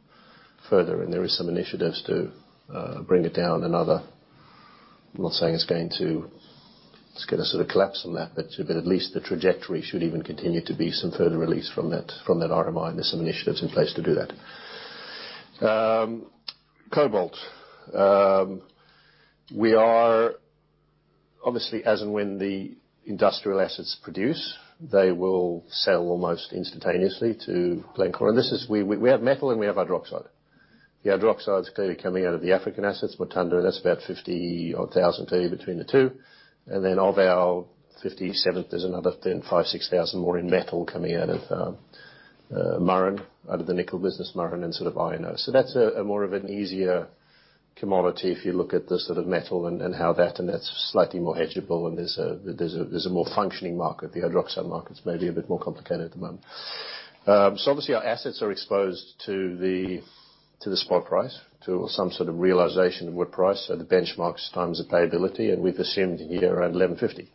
further, and there is some initiatives to bring it down another I'm not saying it's going to collapse on that, but at least the trajectory should even continue to be some further release from that RMI, and there's some initiatives in place to do that. Cobalt. Obviously, as and when the industrial assets produce, they will sell almost instantaneously to Glencore. We have metal and we have hydroxide. The hydroxide is clearly coming out of the African assets, Mutanda, that's about 50,000 between the two. Then of our 57, there's another thin 5,000-6,000 more in metal coming out of Murrin, out of the nickel business, Murrin and sort of INO. That's a more of an easier commodity if you look at the sort of metal and how that, and that's slightly more hedgeable and there's a more functioning market. The hydroxide market's maybe a bit more complicated at the moment. Obviously our assets are exposed to the spot price, to some sort of realization of world price. The benchmarks times the payability, and we've assumed year-end 1,150.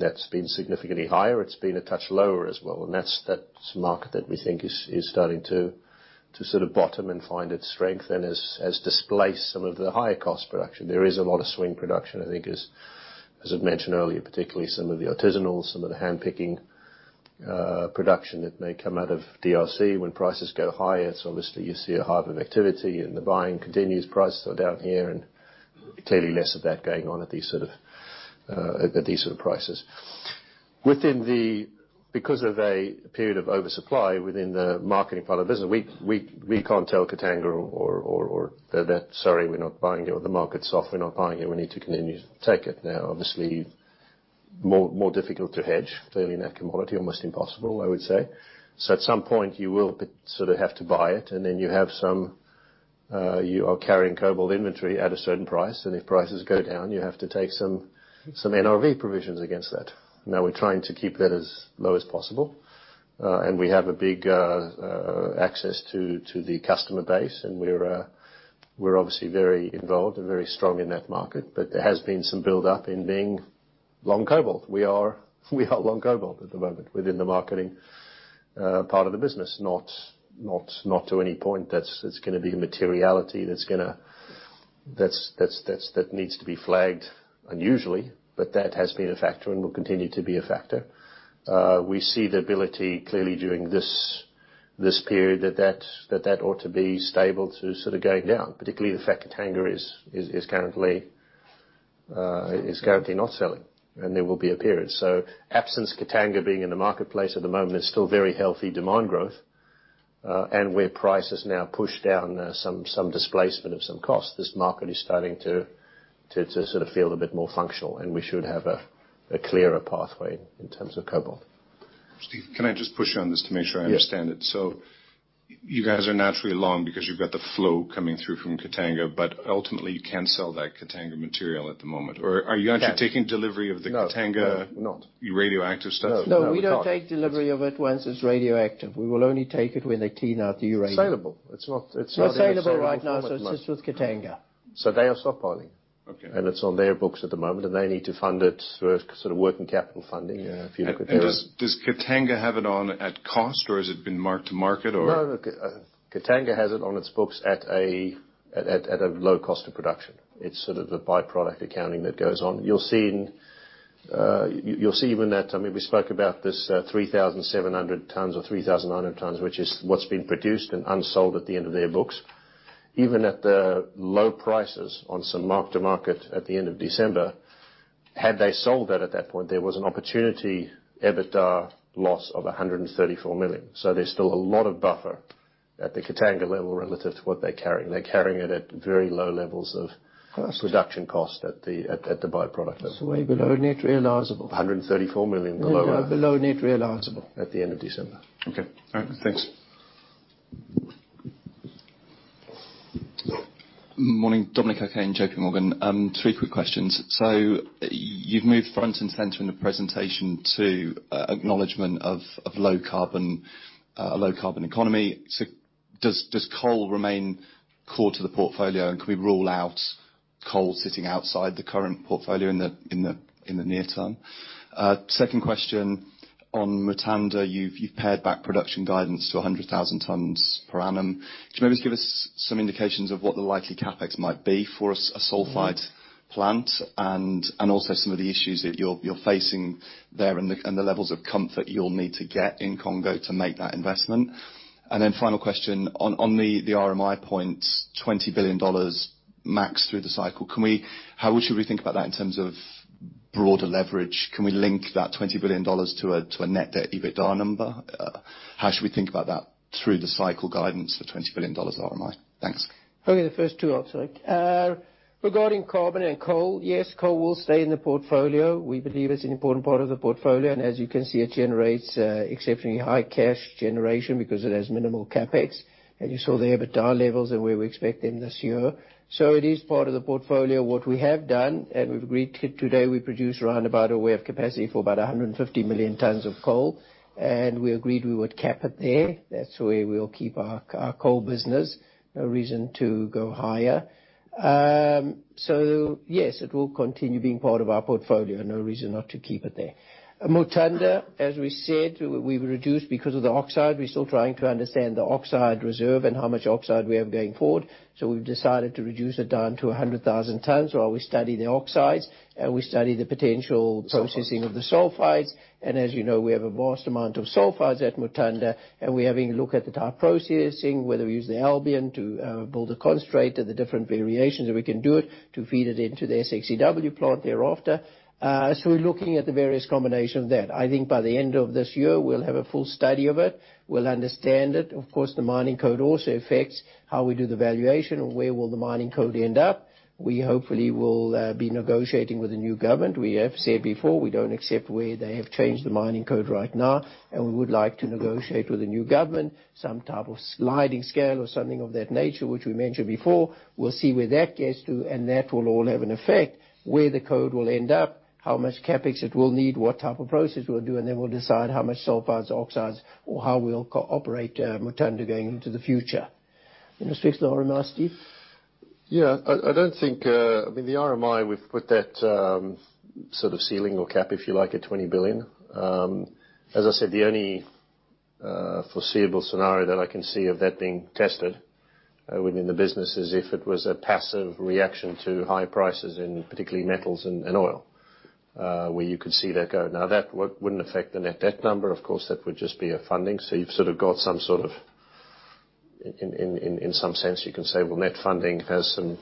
That's been significantly higher. It's been a touch lower as well. That market that we think is starting to bottom and find its strength and has displaced some of the higher cost production. There is a lot of swing production, I think as I'd mentioned earlier, particularly some of the artisanal, some of the handpicking, production that may come out of DRC when prices go higher. Obviously you see a hive of activity and the buying continues. Prices are down here and clearly less of that going on at these sort of prices. Because of a period of oversupply within the marketing part of business, we can't tell Katanga or we're sorry, we're not buying it, or the market's off, we're not buying it. We need to continue to take it now, obviously more difficult to hedge clearly in that commodity. Almost impossible, I would say. At some point you will sort of have to buy it and then you are carrying cobalt inventory at a certain price, and if prices go down, you have to take some NRV provisions against that. Now we're trying to keep that as low as possible. We have a big access to the customer base, and we're obviously very involved and very strong in that market. There has been some buildup in being long cobalt. We are long cobalt at the moment within the marketing part of the business, not to any point that's going to be a materiality that needs to be flagged unusually. That has been a factor and will continue to be a factor. We see the ability clearly during this period that that ought to be stable to sort of going down. Particularly the fact Katanga is currently not selling. There will be a period. Absence Katanga being in the marketplace at the moment is still very healthy demand growth. Where price has now pushed down some displacement of some cost, this market is starting to sort of feel a bit more functional, and we should have a clearer pathway in terms of cobalt. Steve, can I just push you on this to make sure I understand it? Yes. You guys are naturally long because you've got the flow coming through from Katanga, but ultimately you can't sell that Katanga material at the moment or are you actually taking delivery of the Katanga- No, we're not. radioactive stuff? No. We're not. No. We don't take delivery of it once it's radioactive. We will only take it when they clean out the uranium. Saleable. It's not saleable right now, so it's just with Katanga. They are stockpiling. Okay. It's on their books at the moment, and they need to fund it for sort of working capital funding, if you look at their. Does Katanga have it on at cost, or has it been marked to market or? No. Katanga has it on its books at a low cost of production. It's sort of the byproduct accounting that goes on. You'll see when that I mean, we spoke about this, 3,700 tons or 3,900 tons, which is what's been produced and unsold at the end of their books. Even at the low prices on some mark to market at the end of December, had they sold that at that point, there was an opportunity EBITDA loss of $134 million. There's still a lot of buffer at the Katanga level relative to what they're carrying. They're carrying it at very low levels of Cost production cost at the byproduct level. It's way below net realizable. $134 million below. Below net realizable. At the end of December. Okay. All right. Thanks. Morning, Dominic O'Kane, JPMorgan. Three quick questions. You've moved front and center in the presentation to acknowledgment of low carbon economy. Does coal remain core to the portfolio, and can we rule out coal sitting outside the current portfolio in the near term? Second question on Mutanda. You've paired back production guidance to 100,000 tons per annum. Could you maybe just give us some indications of what the likely CapEx might be for a sulfide plant and also some of the issues that you're facing there and the levels of comfort you'll need to get in Congo to make that investment? Then final question, on the RMI point, $20 billion max through the cycle. How should we think about that in terms of broader leverage? Can we link that $20 billion to a net debt EBITDA number? How should we think about that through the cycle guidance for $20 billion RMI? Thanks. Okay, the first two I'll take. Regarding carbon and coal, yes, coal will stay in the portfolio. We believe it's an important part of the portfolio, and as you can see, it generates exceptionally high cash generation because it has minimal CapEx. You saw the EBITDA levels and where we expect them this year. It is part of the portfolio. What we have done, and we've agreed to today, we produce around about a way of capacity for about 150 million tons of coal, and we agreed we would cap it there. That's where we'll keep our coal business. No reason to go higher. Yes, it will continue being part of our portfolio. No reason not to keep it there. Mutanda, as we said, we've reduced because of the oxide. We're still trying to understand the oxide reserve and how much oxide we have going forward. We've decided to reduce it down to 100,000 tons while we study the oxides and we study the potential processing of the sulfides. As you know, we have a vast amount of sulfides at Mutanda, and we're having a look at the type processing, whether we use the Albion to build a concentrate at the different variations that we can do it to feed it into their SX-EW plant thereafter. We're looking at the various combination of that. I think by the end of this year, we'll have a full study of it. We'll understand it. Of course, the mining code also affects how we do the valuation and where will the mining code end up. We hopefully will be negotiating with the new government. We have said before, we don't accept where they have changed the mining code right now, and we would like to negotiate with the new government some type of sliding scale or something of that nature, which we mentioned before. We'll see where that gets to. That will all have an effect, where the code will end up, how much CapEx it will need, what type of process we'll do. Then we'll decide how much sulfides, oxides, or how we'll cooperate, Mutanda going into the future. You want to speak to the RMI, Steve? Yeah. I don't think the RMI, we've put that sort of ceiling or cap, if you like, at $20 billion. As I said, the only foreseeable scenario that I can see of that being tested within the business is if it was a passive reaction to high prices in particularly metals and oil, where you could see that go. That wouldn't affect the net debt number. Of course, that would just be a funding. You've sort of got some sort of, in some sense, you can say, well, net funding has some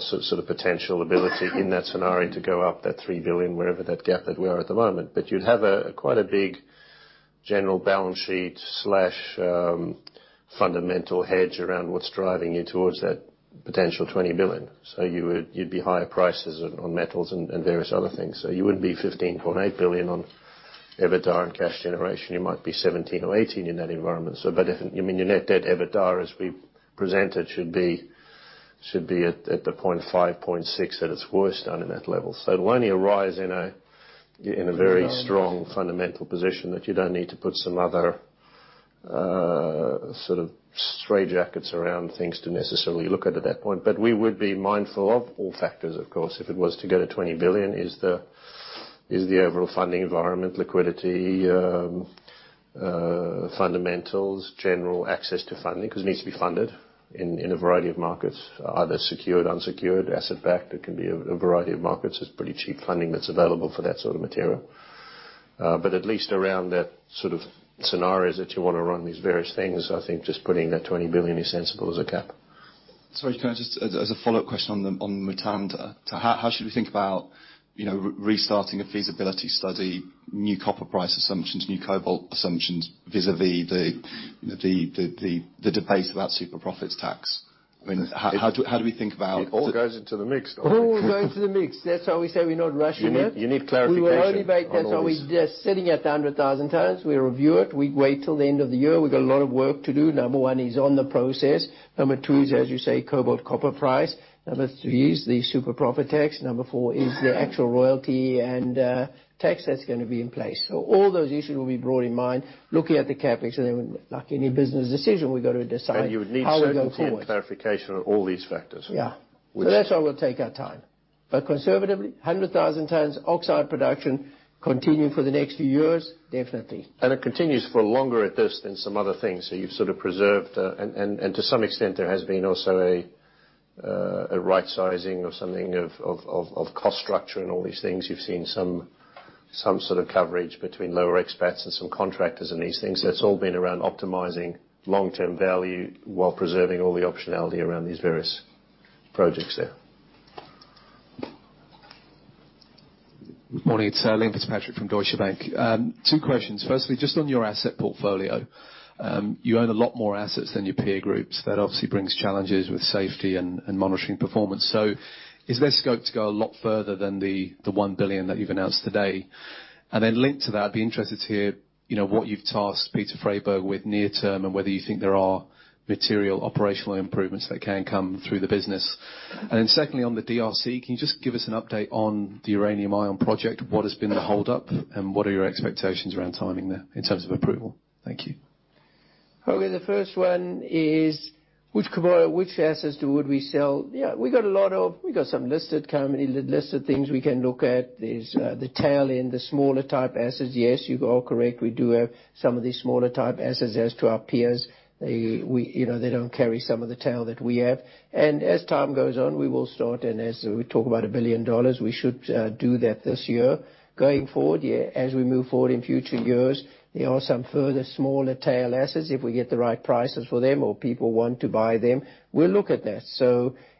sort of potential ability in that scenario to go up that $3 billion, wherever that gap that we are at the moment. You'd have a quite a big general balance sheet/fundamental hedge around what's driving you towards that potential $20 billion. You'd be higher prices on metals and various other things. You wouldn't be $15.8 billion on EBITDA and cash generation. You might be $17 billion or $18 billion in that environment. Your net debt EBITDA as we presented should be at the 0.5, 0.6 at its worst under that level. It'll only arise in a very strong fundamental position that you don't need to put some other sort of stray jackets around things to necessarily look at at that point. We would be mindful of all factors, of course, if it was to go to $20 billion is the overall funding environment, liquidity, fundamentals, general access to funding, because it needs to be funded in a variety of markets, either secured, unsecured, asset-backed. It can be a variety of markets. It's pretty cheap funding that's available for that sort of material. At least around that sort of scenarios that you want to run these various things, I think just putting that $20 billion is sensible as a cap. Sorry, can I just as a follow-up question on Mutanda. How should we think about restarting a feasibility study, new copper price assumptions, new cobalt assumptions, vis-à-vis the debate about super profits tax? It all goes into the mix. All goes into the mix. That's why we say we're not rushing it. You need clarification on all this. We will only make that when we're sitting at 100,000 tons. We review it. We wait till the end of the year. We've got a lot of work to do. Number one is on the process. Number two is, as you say, cobalt copper price. Number three is the super profits tax. Number four is the actual royalty and tax that's going to be in place. All those issues will be brought in mind looking at the CapEx, and then like any business decision, we got to decide how we go forward. You would need certain clarity and clarification on all these factors. Yeah. That's why we'll take our time. Conservatively, 100,000 tons oxide production continuing for the next few years, definitely. It continues for longer at this than some other things. You've sort of preserved, and to some extent, there has been also a right-sizing of something of cost structure and all these things. You've seen some sort of coverage between lower expats and some contractors and these things. It's all been around optimizing long-term value while preserving all the optionality around these various projects there. Good morning. It's Liam Fitzpatrick from Deutsche Bank. Two questions. Firstly, just on your asset portfolio. You own a lot more assets than your peer groups. That obviously brings challenges with safety and monitoring performance. Is there scope to go a lot further than the $1 billion that you've announced today? Linked to that, I'd be interested to hear what you've tasked Peter Freyberg with near term and whether you think there are material operational improvements that can come through the business. Secondly, on the DRC, can you just give us an update on the Uranium One project? What has been the hold-up, and what are your expectations around timing there in terms of approval? Thank you. Okay, the first one is which assets would we sell? Yeah, we got some listed company, listed things we can look at. There's the tail end, the smaller type assets. Yes, you are correct. We do have some of these smaller type assets as to our peers. They don't carry some of the tail that we have. As time goes on, we will start, and as we talk about $1 billion, we should do that this year. Going forward, as we move forward in future years, there are some further smaller tail assets. If we get the right prices for them or people want to buy them, we'll look at that.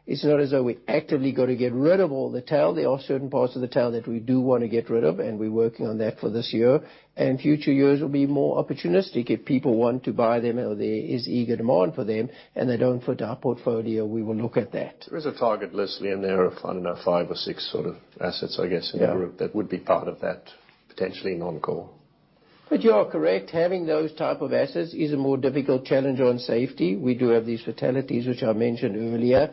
It's not as though we actively got to get rid of all the tail. There are certain parts of the tail that we do want to get rid of, and we're working on that for this year. Future years will be more opportunistic if people want to buy them or there is eager demand for them and they don't fit our portfolio, we will look at that. There is a target list, Liam and there are, I don't know, five or six sort of assets, I guess, in the group that would be part of that, potentially non-core. But you are correct, having those type of assets is a more difficult challenge on safety. We do have these fatalities, which I mentioned earlier,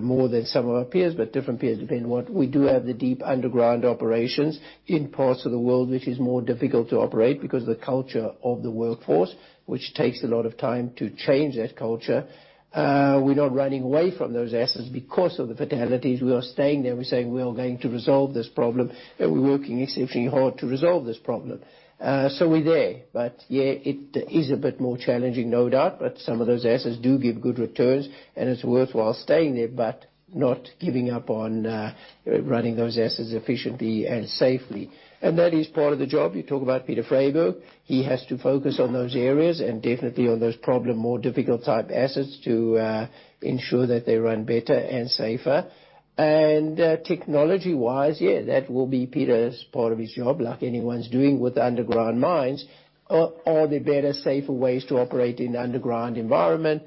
more than some of our peers, but different peers, depending what. We do have the deep underground operations in parts of the world, which is more difficult to operate because of the culture of the workforce, which takes a lot of time to change that culture. We're not running away from those assets because of the fatalities. We are staying there. We're saying we are going to resolve this problem, and we're working exceptionally hard to resolve this problem. So we're there. But yeah, it is a bit more challenging, no doubt, but some of those assets do give good returns, and it's worthwhile staying there, but not giving up on running those assets efficiently and safely. And that is part of the job. You talk about Peter Freyberg. He has to focus on those areas and definitely on those problem, more difficult type assets to ensure that they run better and safer. Technology-wise, yeah, that will be Peter's part of his job, like anyone's doing with underground mines. Are there better, safer ways to operate in an underground environment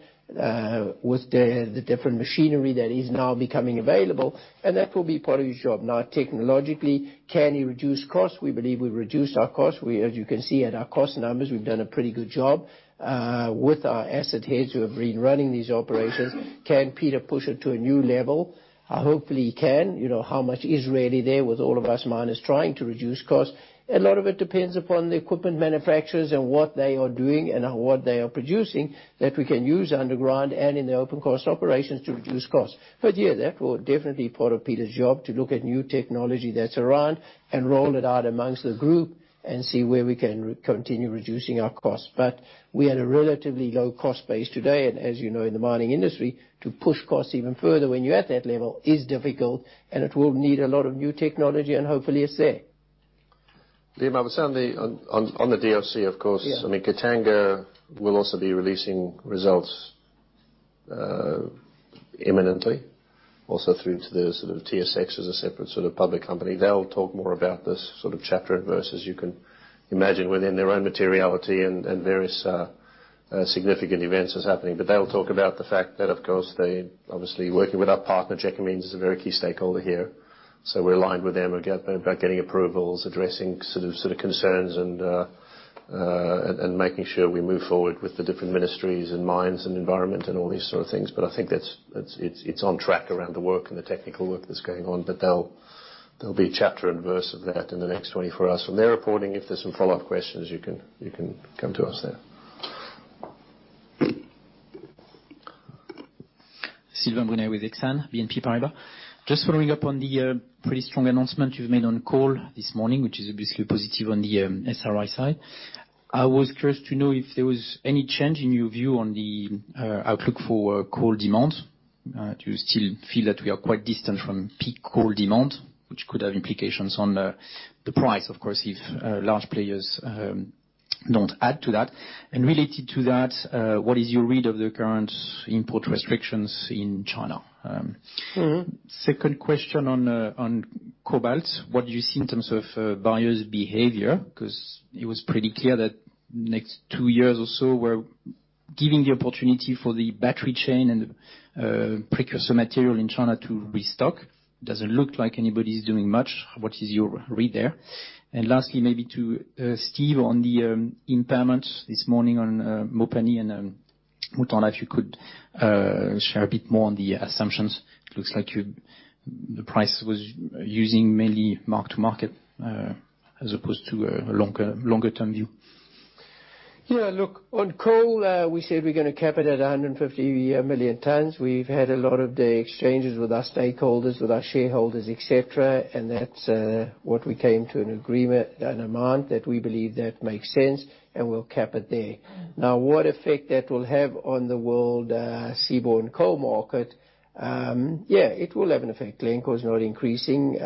with the different machinery that is now becoming available? And that will be part of his job. Now, technologically, can he reduce costs? We believe we've reduced our costs. As you can see at our cost numbers, we've done a pretty good job with our asset heads who have been running these operations. Can Peter push it to a new level? Hopefully, he can. How much is really there with all of us miners trying to reduce costs? A lot of it depends upon the equipment manufacturers and what they are doing and what they are producing that we can use underground and in the open-cut operations to reduce costs. But yeah, that will definitely be part of Peter's job, to look at new technology that's around and roll it out amongst the group and see where we can continue reducing our costs. But we had a relatively low cost base today, and as you know, in the mining industry, to push costs even further when you're at that level is difficult, and it will need a lot of new technology, and hopefully it's there. Liam, I would say on the DRC. Yeah Katanga will also be releasing results imminently, also through to the TSX as a separate public company. They'll talk more about this chapter and verse, as you can imagine, within their own materiality and various significant events that's happening. They'll talk about the fact that, of course, they are obviously working with our partner, Gécamines, is a very key stakeholder here. We're aligned with them about getting approvals, addressing concerns and making sure we move forward with the different ministries and mines and environment and all these sort of things. I think it's on track around the work and the technical work that's going on. There'll be a chapter and verse of that in the next 24 hours from their reporting. If there's some follow-up questions, you can come to us there. Sylvain Brunet with Exane BNP Paribas. Just following up on the pretty strong announcement you've made on coal this morning, which is obviously positive on the SRI side. I was curious to know if there was any change in your view on the outlook for coal demand. Do you still feel that we are quite distant from peak coal demand, which could have implications on the price, of course, if large players don't add to that? Related to that, what is your read of the current import restrictions in China? Second question on cobalt. What do you see in terms of buyers' behavior? Because it was pretty clear that next two years or so were giving the opportunity for the battery chain and the precursor material in China to restock. Doesn't look like anybody's doing much. What is your read there? Lastly, maybe to Steve on the impairment this morning on Mopani and Mutanda, if you could share a bit more on the assumptions. It looks like the price was using mainly mark to market as opposed to a longer term view. Look, on coal, we said we're going to cap it at 150 million tons. We've had a lot of the exchanges with our stakeholders, with our shareholders, et cetera, and that's what we came to an agreement, an amount that we believe that makes sense, and we'll cap it there. What effect that will have on the world seaborne coal market, yeah, it will have an effect. Glencore is not increasing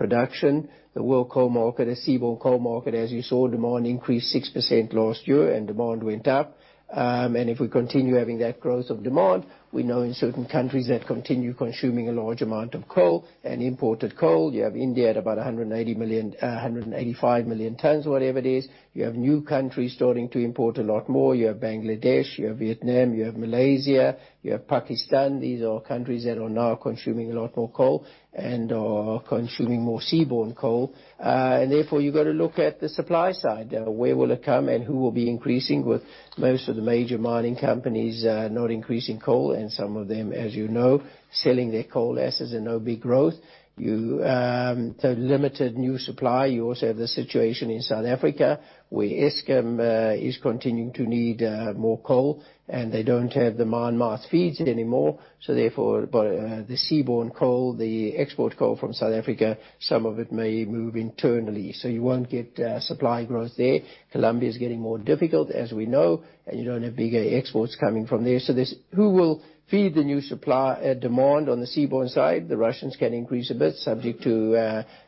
production. The world coal market, the seaborne coal market, as you saw, demand increased 6% last year and demand went up. If we continue having that growth of demand, we know in certain countries that continue consuming a large amount of coal and imported coal, you have India at about 185 million tons, or whatever it is. You have new countries starting to import a lot more. You have Bangladesh, you have Vietnam, you have Malaysia, you have Pakistan. These are countries that are now consuming a lot more coal and are consuming more seaborne coal. Therefore, you've got to look at the supply side. Where will it come and who will be increasing with most of the major mining companies not increasing coal, and some of them, as you know, selling their coal assets and no big growth. Limited new supply. You also have the situation in South Africa where Eskom is continuing to need more coal, and they don't have the mine-mouth feeds anymore. Therefore, the seaborne coal, the export coal from South Africa, some of it may move internally. You won't get supply growth there. Colombia is getting more difficult, as we know, and you don't have big exports coming from there. Who will feed the new demand on the seaborne side? The Russians can increase a bit, subject to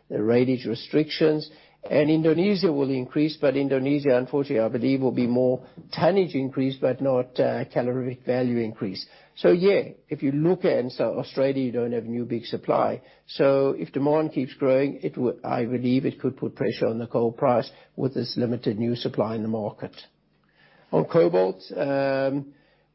the radius restrictions. Indonesia will increase, but Indonesia, unfortunately, I believe, will be more tonnage increase, but not caloric value increase. If you look at Australia, you don't have new big supply. If demand keeps growing, I believe it could put pressure on the coal price with this limited new supply in the market. On cobalt,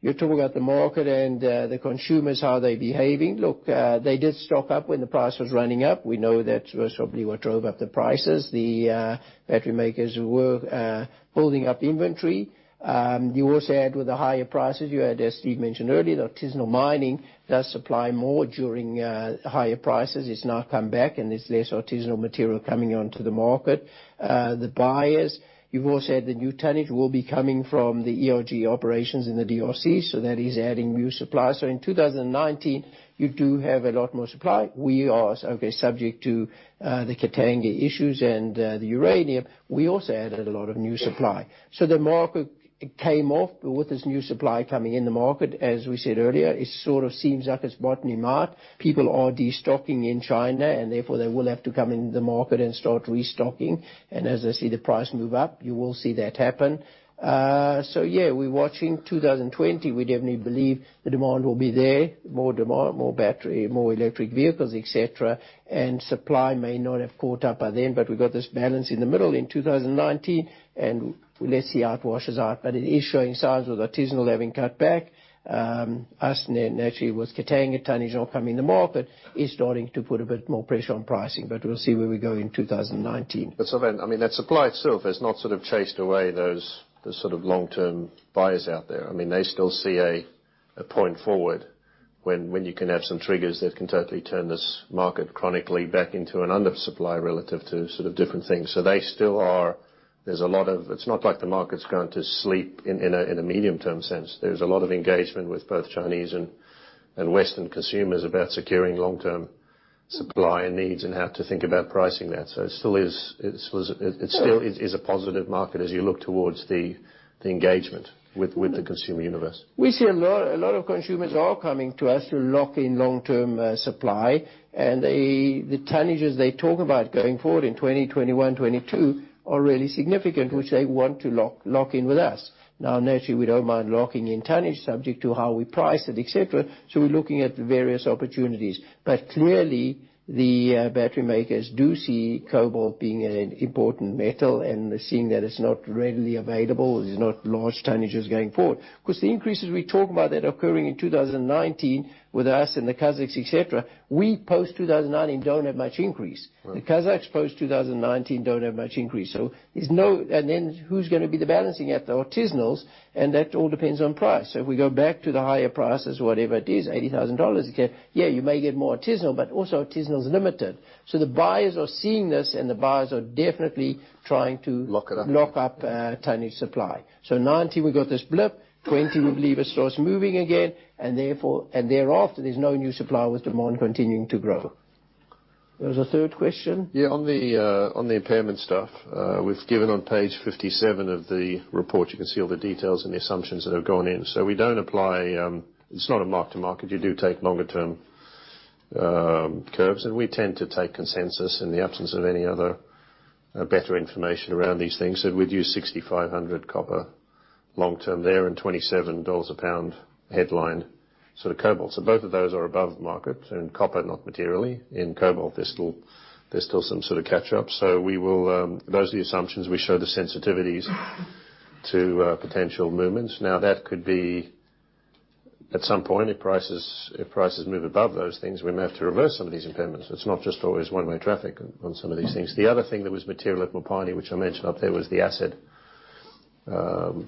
you're talking about the market and the consumers, how they're behaving. Look, they did stock up when the price was running up. We know that's probably what drove up the prices. The battery makers were building up inventory. You also had with the higher prices, you had, as Steve mentioned earlier, the artisanal mining does supply more during higher prices. It's now come back and there's less artisanal material coming onto the market. The buyers, you've also had the new tonnage will be coming from the ERG operations in the DRC, so that is adding new supply. In 2019, you do have a lot more supply. We are subject to the Katanga issues and the uranium. The market came off with this new supply coming in the market. As we said earlier, it sort of seems like it's bottoming out. People are destocking in China, and therefore they will have to come in the market and start restocking. As they see the price move up, you will see that happen. We're watching 2020. We definitely believe the demand will be there, more demand, more battery, more electric vehicles, et cetera, and supply may not have caught up by then. We've got this balance in the middle in 2019 and let's see how it washes out. It is showing signs with artisanal having cut back. Us naturally with Katanga tonnage not coming in the market is starting to put a bit more pressure on pricing. We'll see where we go in 2019. Sylvain, that supply itself has not chased away those long-term buyers out there. They still see a point forward. When you can have some triggers that can totally turn this market chronically back into an undersupply relative to different things. It's not like the market's going to sleep in a medium-term sense. There's a lot of engagement with both Chinese and Western consumers about securing long-term supply and needs and how to think about pricing that. It still is a positive market as you look towards the engagement with the consumer universe. We see a lot of consumers are coming to us to lock in long-term supply, and the tonnages they talk about going forward in 2020, 2021, 2022 are really significant, which they want to lock in with us. Naturally, we don't mind locking in tonnage subject to how we price it, et cetera. We're looking at the various opportunities. Clearly, the battery makers do see cobalt being an important metal, and seeing that it's not readily available, there's no large tonnages going forward. The increases we talk about that are occurring in 2019 with us and the Kazakhs, et cetera, we, post-2019, don't have much increase. Right. The Kazakhs, post-2019, don't have much increase. Who's going to be the balancing act? The artisanals, that all depends on price. If we go back to the higher prices, whatever it is, $80,000, okay, yeah, you may get more artisanal. Also artisanal is limited. The buyers are seeing this and the buyers are definitely trying to- Lock it up lock up tonnage supply. 2019, we've got this blip, 2020 we believe it starts moving again, thereafter, there's no new supply with demand continuing to grow. There was a third question? On the impairment stuff, we've given on page 57 of the report, you can see all the details and the assumptions that have gone in. It's not a mark to market. You do take longer-term curves. We tend to take consensus in the absence of any other better information around these things. We'd use $6,500 copper long-term there and $27 a pound headline sort of cobalt. Both of those are above market in copper, not materially. In cobalt, there's still some sort of catch-up. Those are the assumptions. We show the sensitivities to potential movements. That could be at some point, if prices move above those things, we may have to reverse some of these impairments. It's not just always one-way traffic on some of these things. The other thing that was material at Mopani, which I mentioned up there, was the acid supply,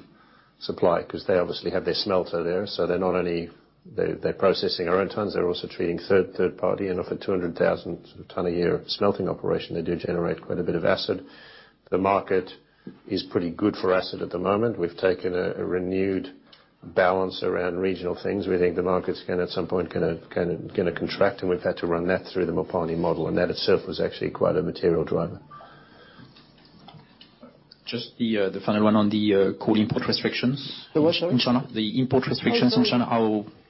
because they obviously have their smelter there. They're not only they're processing our own tons, they're also treating third party and offer 200,000 ton a year smelting operation. They do generate quite a bit of acid. The market is pretty good for acid at the moment. We've taken a renewed balance around regional things. We think the market's, again, at some point, going to contract, we've had to run that through the Mopani model. That itself was actually quite a material driver. Just the final one on the coal import restrictions. The what, sorry? In China. The import restrictions in China.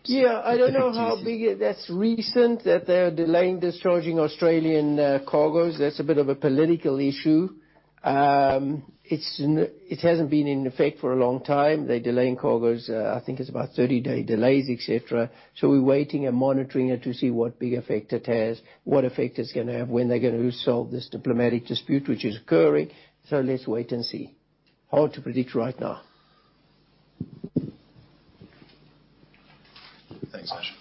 Yeah, I don't know how big. That's recent that they're delaying discharging Australian cargoes. That's a bit of a political issue. It hasn't been in effect for a long time. They're delaying cargoes, I think it's about 30-day delays, et cetera. We're waiting and monitoring it to see what big effect it has, what effect it's going to have, when they're going to resolve this diplomatic dispute, which is occurring. Let's wait and see. Hard to predict right now. Thanks, Josh.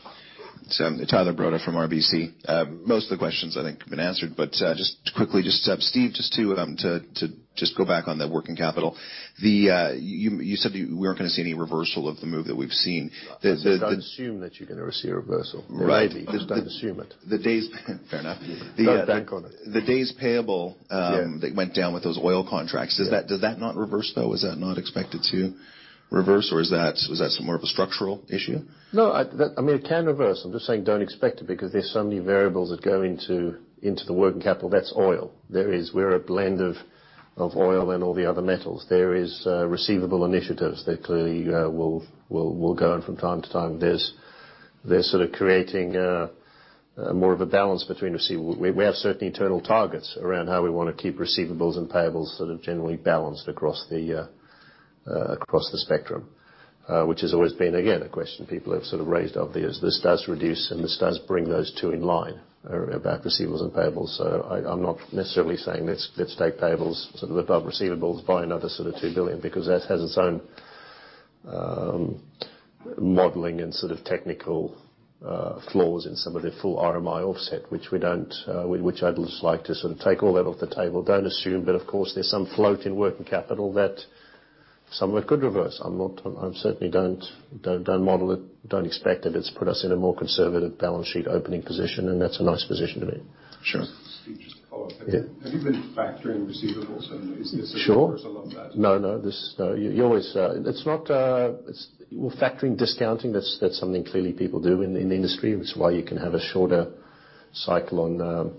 Tyler Broda from RBC. Most of the questions I think have been answered, quickly, Steve, just to go back on the working capital. You said we weren't going to see any reversal of the move that we've seen. Just don't assume that you're going to ever see a reversal. Right. Just don't assume it. Fair enough. Yeah. Don't bank on it. The days payable- Yeah that went down with those oil contracts. Yeah. Does that not reverse, though? Is that not expected to reverse, or is that more of a structural issue? No. It can reverse. I'm just saying don't expect it because there's so many variables that go into the working capital. That's oil. We're a blend of oil and all the other metals. There is receivable initiatives that clearly will go in from time to time. They're sort of creating more of a balance between receivable. We have certain internal targets around how we want to keep receivables and payables sort of generally balanced across the spectrum. Which has always been, again, a question people have sort of raised obviously, as this does reduce and this does bring those two in line about receivables and payables. I'm not necessarily saying let's take payables sort of above receivables, buy another sort of $2 billion, because that has its own modeling and sort of technical flaws in some of the full RMI offset, which I'd just like to sort of take all that off the table. Don't assume. Of course, there's some float in working capital that some of it could reverse. I certainly don't model it, don't expect it. It's put us in a more conservative balance sheet opening position, and that's a nice position to be in. Sure. Steve, just to follow up. Yeah. Have you been factoring receivables, and is this- Sure a reversal of that? No, no. Well, factoring, discounting, that's something clearly people do in the industry. It's why you can have a shorter cycle on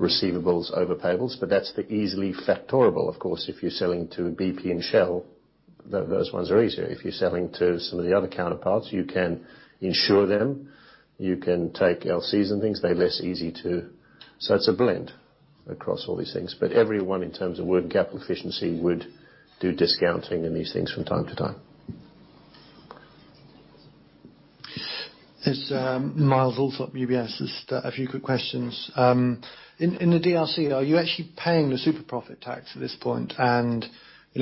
receivables over payables, but that's the easily factorable. Of course, if you're selling to BP and Shell, those ones are easier. If you're selling to some of the other counterparts, you can insure them, you can take LCs and things. They're less easy to. It's a blend across all these things. Everyone, in terms of working capital efficiency, would do discounting and these things from time to time. It's Myles Allsop, UBS. Just a few quick questions. In the DRC, are you actually paying the super profits tax at this point?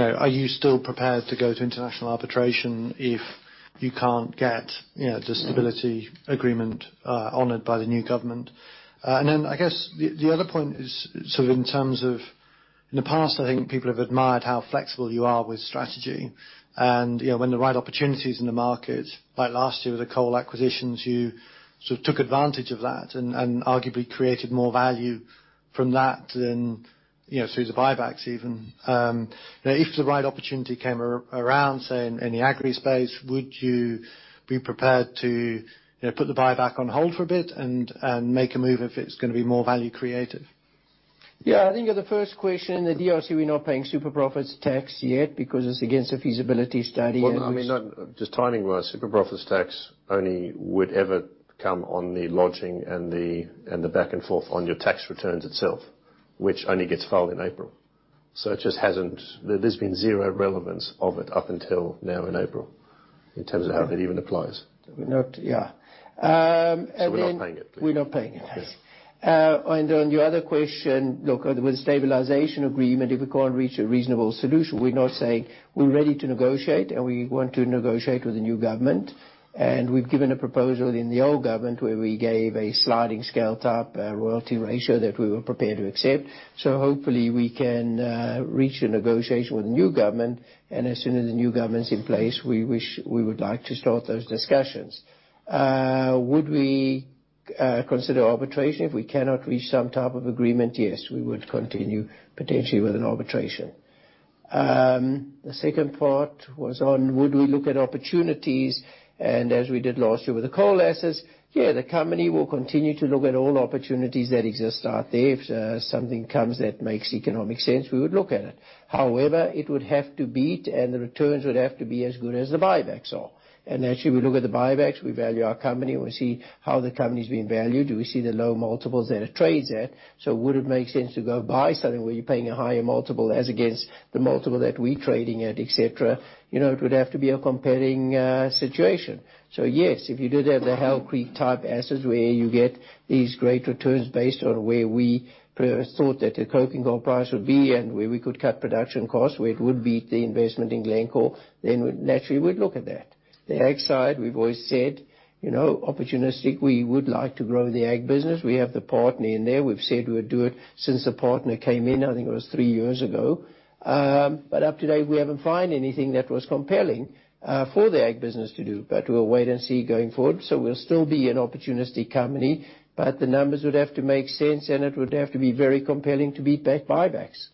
Are you still prepared to go to international arbitration if you can't get stability agreement honored by the new government? I guess the other point is sort of In the past, I think people have admired how flexible you are with strategy. When the right opportunity's in the market, like last year with the coal acquisitions, you took advantage of that, and arguably created more value from that than through the buybacks, even. If the right opportunity came around, say, in the agri space, would you be prepared to put the buyback on hold for a bit and make a move if it's going to be more value creative? Yeah. I think on the first question, the DRC, we're not paying super profits tax yet because it's against a feasibility study. Well, no, just timing-wise, super profits tax only would ever come on the lodging and the back and forth on your tax returns itself, which only gets filed in April. There's been zero relevance of it up until now in April in terms of how that even applies. We're not Yeah. We're not paying it. We're not paying it. Yes. On your other question, look, with the stability agreement, if we can't reach a reasonable solution, we're not saying we're ready to negotiate, and we want to negotiate with the new government. We've given a proposal in the old government where we gave a sliding scale type royalty ratio that we were prepared to accept. Hopefully, we can reach a negotiation with the new government, and as soon as the new government's in place, we would like to start those discussions. Would we consider arbitration if we cannot reach some type of agreement? Yes. We would continue, potentially, with an arbitration. The second part was on would we look at opportunities as we did last year with the coal assets. The company will continue to look at all opportunities that exist out there. If something comes that makes economic sense, we would look at it. However, it would have to beat, and the returns would have to be as good as the buybacks are. Actually, we look at the buybacks, we value our company, and we see how the company's being valued. We see the low multiples that it trades at. Would it make sense to go buy something where you're paying a higher multiple as against the multiple that we're trading at, et cetera? It would have to be a compelling situation. Yes, if you did have the Hail Creek-type assets where you get these great returns based on where we thought that the coking coal price would be and where we could cut production costs, where it would beat the investment in Glencore, then we naturally would look at that. The ag side, we've always said, opportunistic, we would like to grow the ag business. We have the partner in there. We've said we would do it since the partner came in, I think it was three years ago. Up to date, we haven't found anything that was compelling for the ag business to do, but we'll wait and see going forward. We'll still be an opportunistic company, but the numbers would have to make sense, and it would have to be very compelling to beat back buybacks.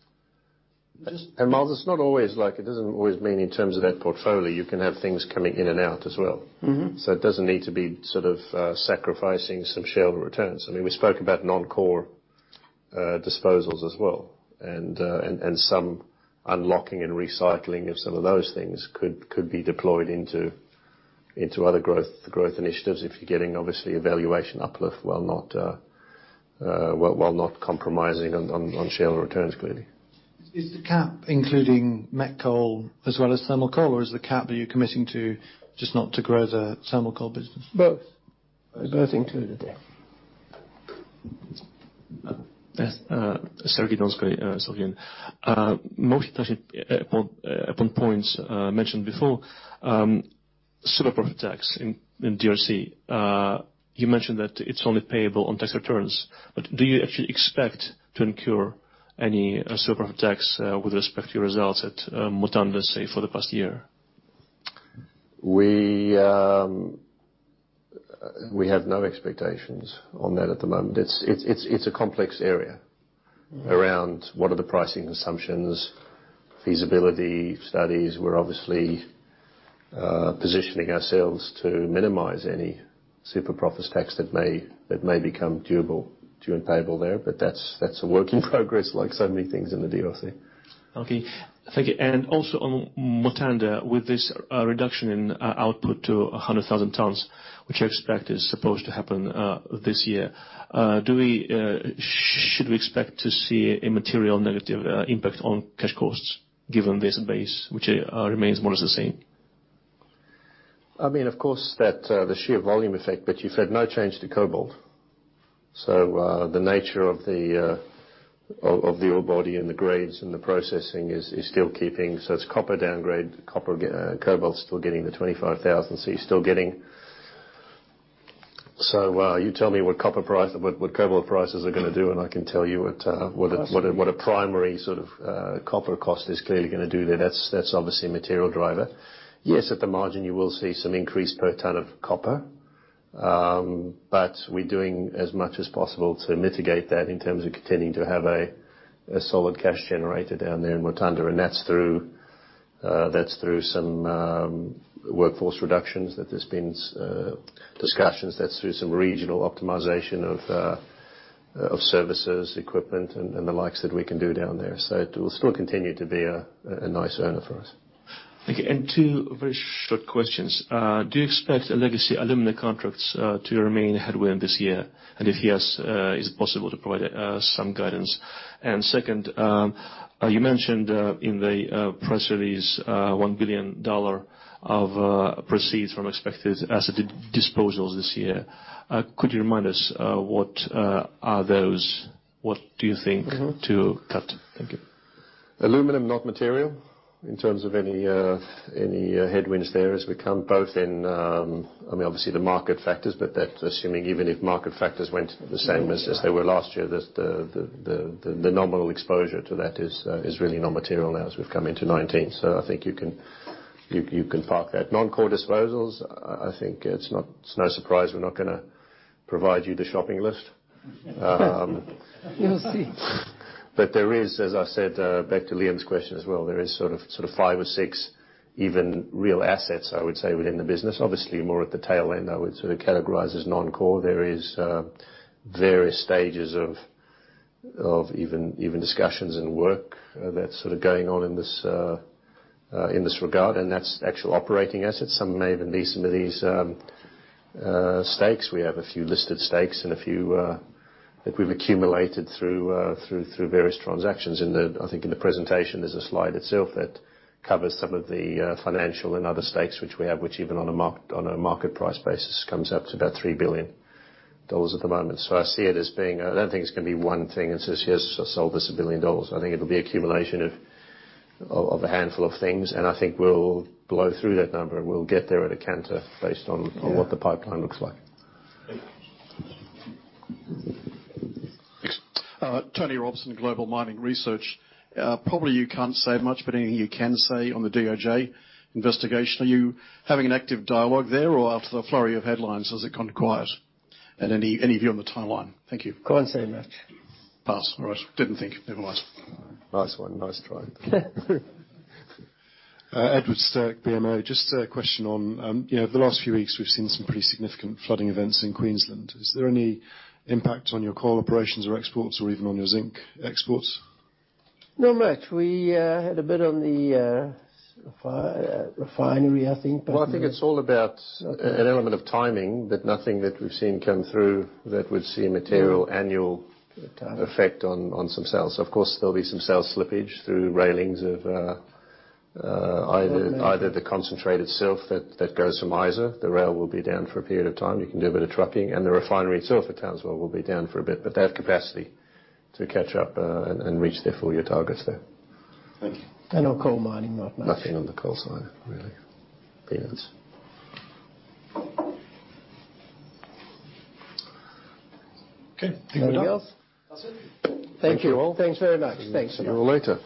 Myles, it's not always like, it doesn't always mean in terms of that portfolio. You can have things coming in and out as well. It doesn't need to be sacrificing some shareholder returns. We spoke about non-core disposals as well, and some unlocking and recycling of some of those things could be deployed into other growth initiatives if you're getting, obviously, a valuation uplift while not compromising on shareholder returns, clearly. Is the cap including met coal as well as thermal coal? Are you committing to just not to grow the thermal coal business? Both. Both included, yes. Sergey Donskoy, Sberinvest. Most actually on points mentioned before, super profit tax in DRC. You mentioned that it's only payable on tax returns. Do you actually expect to incur any super profit tax with respect to your results at Mutanda, say, for the past year? We have no expectations on that at the moment. It's a complex area around what are the pricing assumptions, feasibility studies. We're obviously positioning ourselves to minimize any super profits tax that may become due and payable there. That's a work in progress, like so many things in the DRC. Okay. Thank you. Also on Mutanda, with this reduction in output to 100,000 tons, which I expect is supposed to happen this year, should we expect to see a material negative impact on cash costs given this base, which remains more or less the same? Of course, the sheer volume effect, but you've had no change to cobalt. The nature of the ore body and the grades and the processing is still keeping. It's copper downgrade, cobalt's still getting the 25,000. You tell me what cobalt prices are going to do, and I can tell you what- Okay What a primary copper cost is clearly going to do there. That's obviously a material driver. Yes. Yes, at the margin, you will see some increase per ton of copper. We're doing as much as possible to mitigate that in terms of continuing to have a solid cash generator down there in Mutanda. That's through some workforce reductions that there's been discussions. That's through some regional optimization of services, equipment, and the likes that we can do down there. It will still continue to be a nice earner for us. Thank you. Two very short questions. Do you expect legacy alumina contracts to remain a headwind this year? If yes, is it possible to provide some guidance? Second, you mentioned in the press release $1 billion of proceeds from expected asset disposals this year. Could you remind us what are those? What do you think to cut? Thank you. Alumina, not material in terms of any headwinds there as we come, both in obviously the market factors, that's assuming even if market factors went the same as they were last year, the nominal exposure to that is really non-material now as we've come into 2019. I think you can park that. Non-core disposals, I think it's no surprise we're not going to provide you the shopping list. You'll see. There is, as I said, back to Liam's question as well, there is five or six even real assets, I would say, within the business. Obviously, more at the tail end, I would categorize as non-core. There is various stages of even discussions and work that's going on in this regard. That's actual operating assets. Some may even be some of these stakes. We have a few listed stakes and a few that we've accumulated through various transactions. I think in the presentation, there's a slide itself that covers some of the financial and other stakes which we have, which even on a market price basis comes up to about $3 billion at the moment. I don't think it's going to be one thing that says, "Yes, I sold this $1 billion." I think it'll be accumulation of a handful of things, I think we'll blow through that number and we'll get there at a canter based on what the pipeline looks like. Yeah. Tony Robson, Global Mining Research. Probably you can't say much, anything you can say on the DOJ investigation. Are you having an active dialogue there, or after the flurry of headlines, has it gone quiet? Any view on the timeline? Thank you. Can't say much. Pass, all right. Didn't think, never mind. Nice one. Nice try. Edward Sterck, BMO. Just a question on the last few weeks, we've seen some pretty significant flooding events in Queensland. Is there any impact on your coal operations or exports or even on your zinc exports? Not much. We had a bit on the refinery, I think. Well, I think it's all about an element of timing, but nothing that we've seen come through that we'd see material annual. Good timing. effect on some sales. Of course, there'll be some sales slippage through railings of either the concentrate itself that goes from Isa. The rail will be down for a period of time. You can do a bit of trucking. The refinery itself at Townsville will be down for a bit, but they have capacity to catch up and reach their full year targets there. Thank you. On coal mining, not much. Nothing on the coal side really. Peanuts. Okay. Think we're done. Anything else? That's it. Thank you all. Thanks very much. Thanks. See you all later.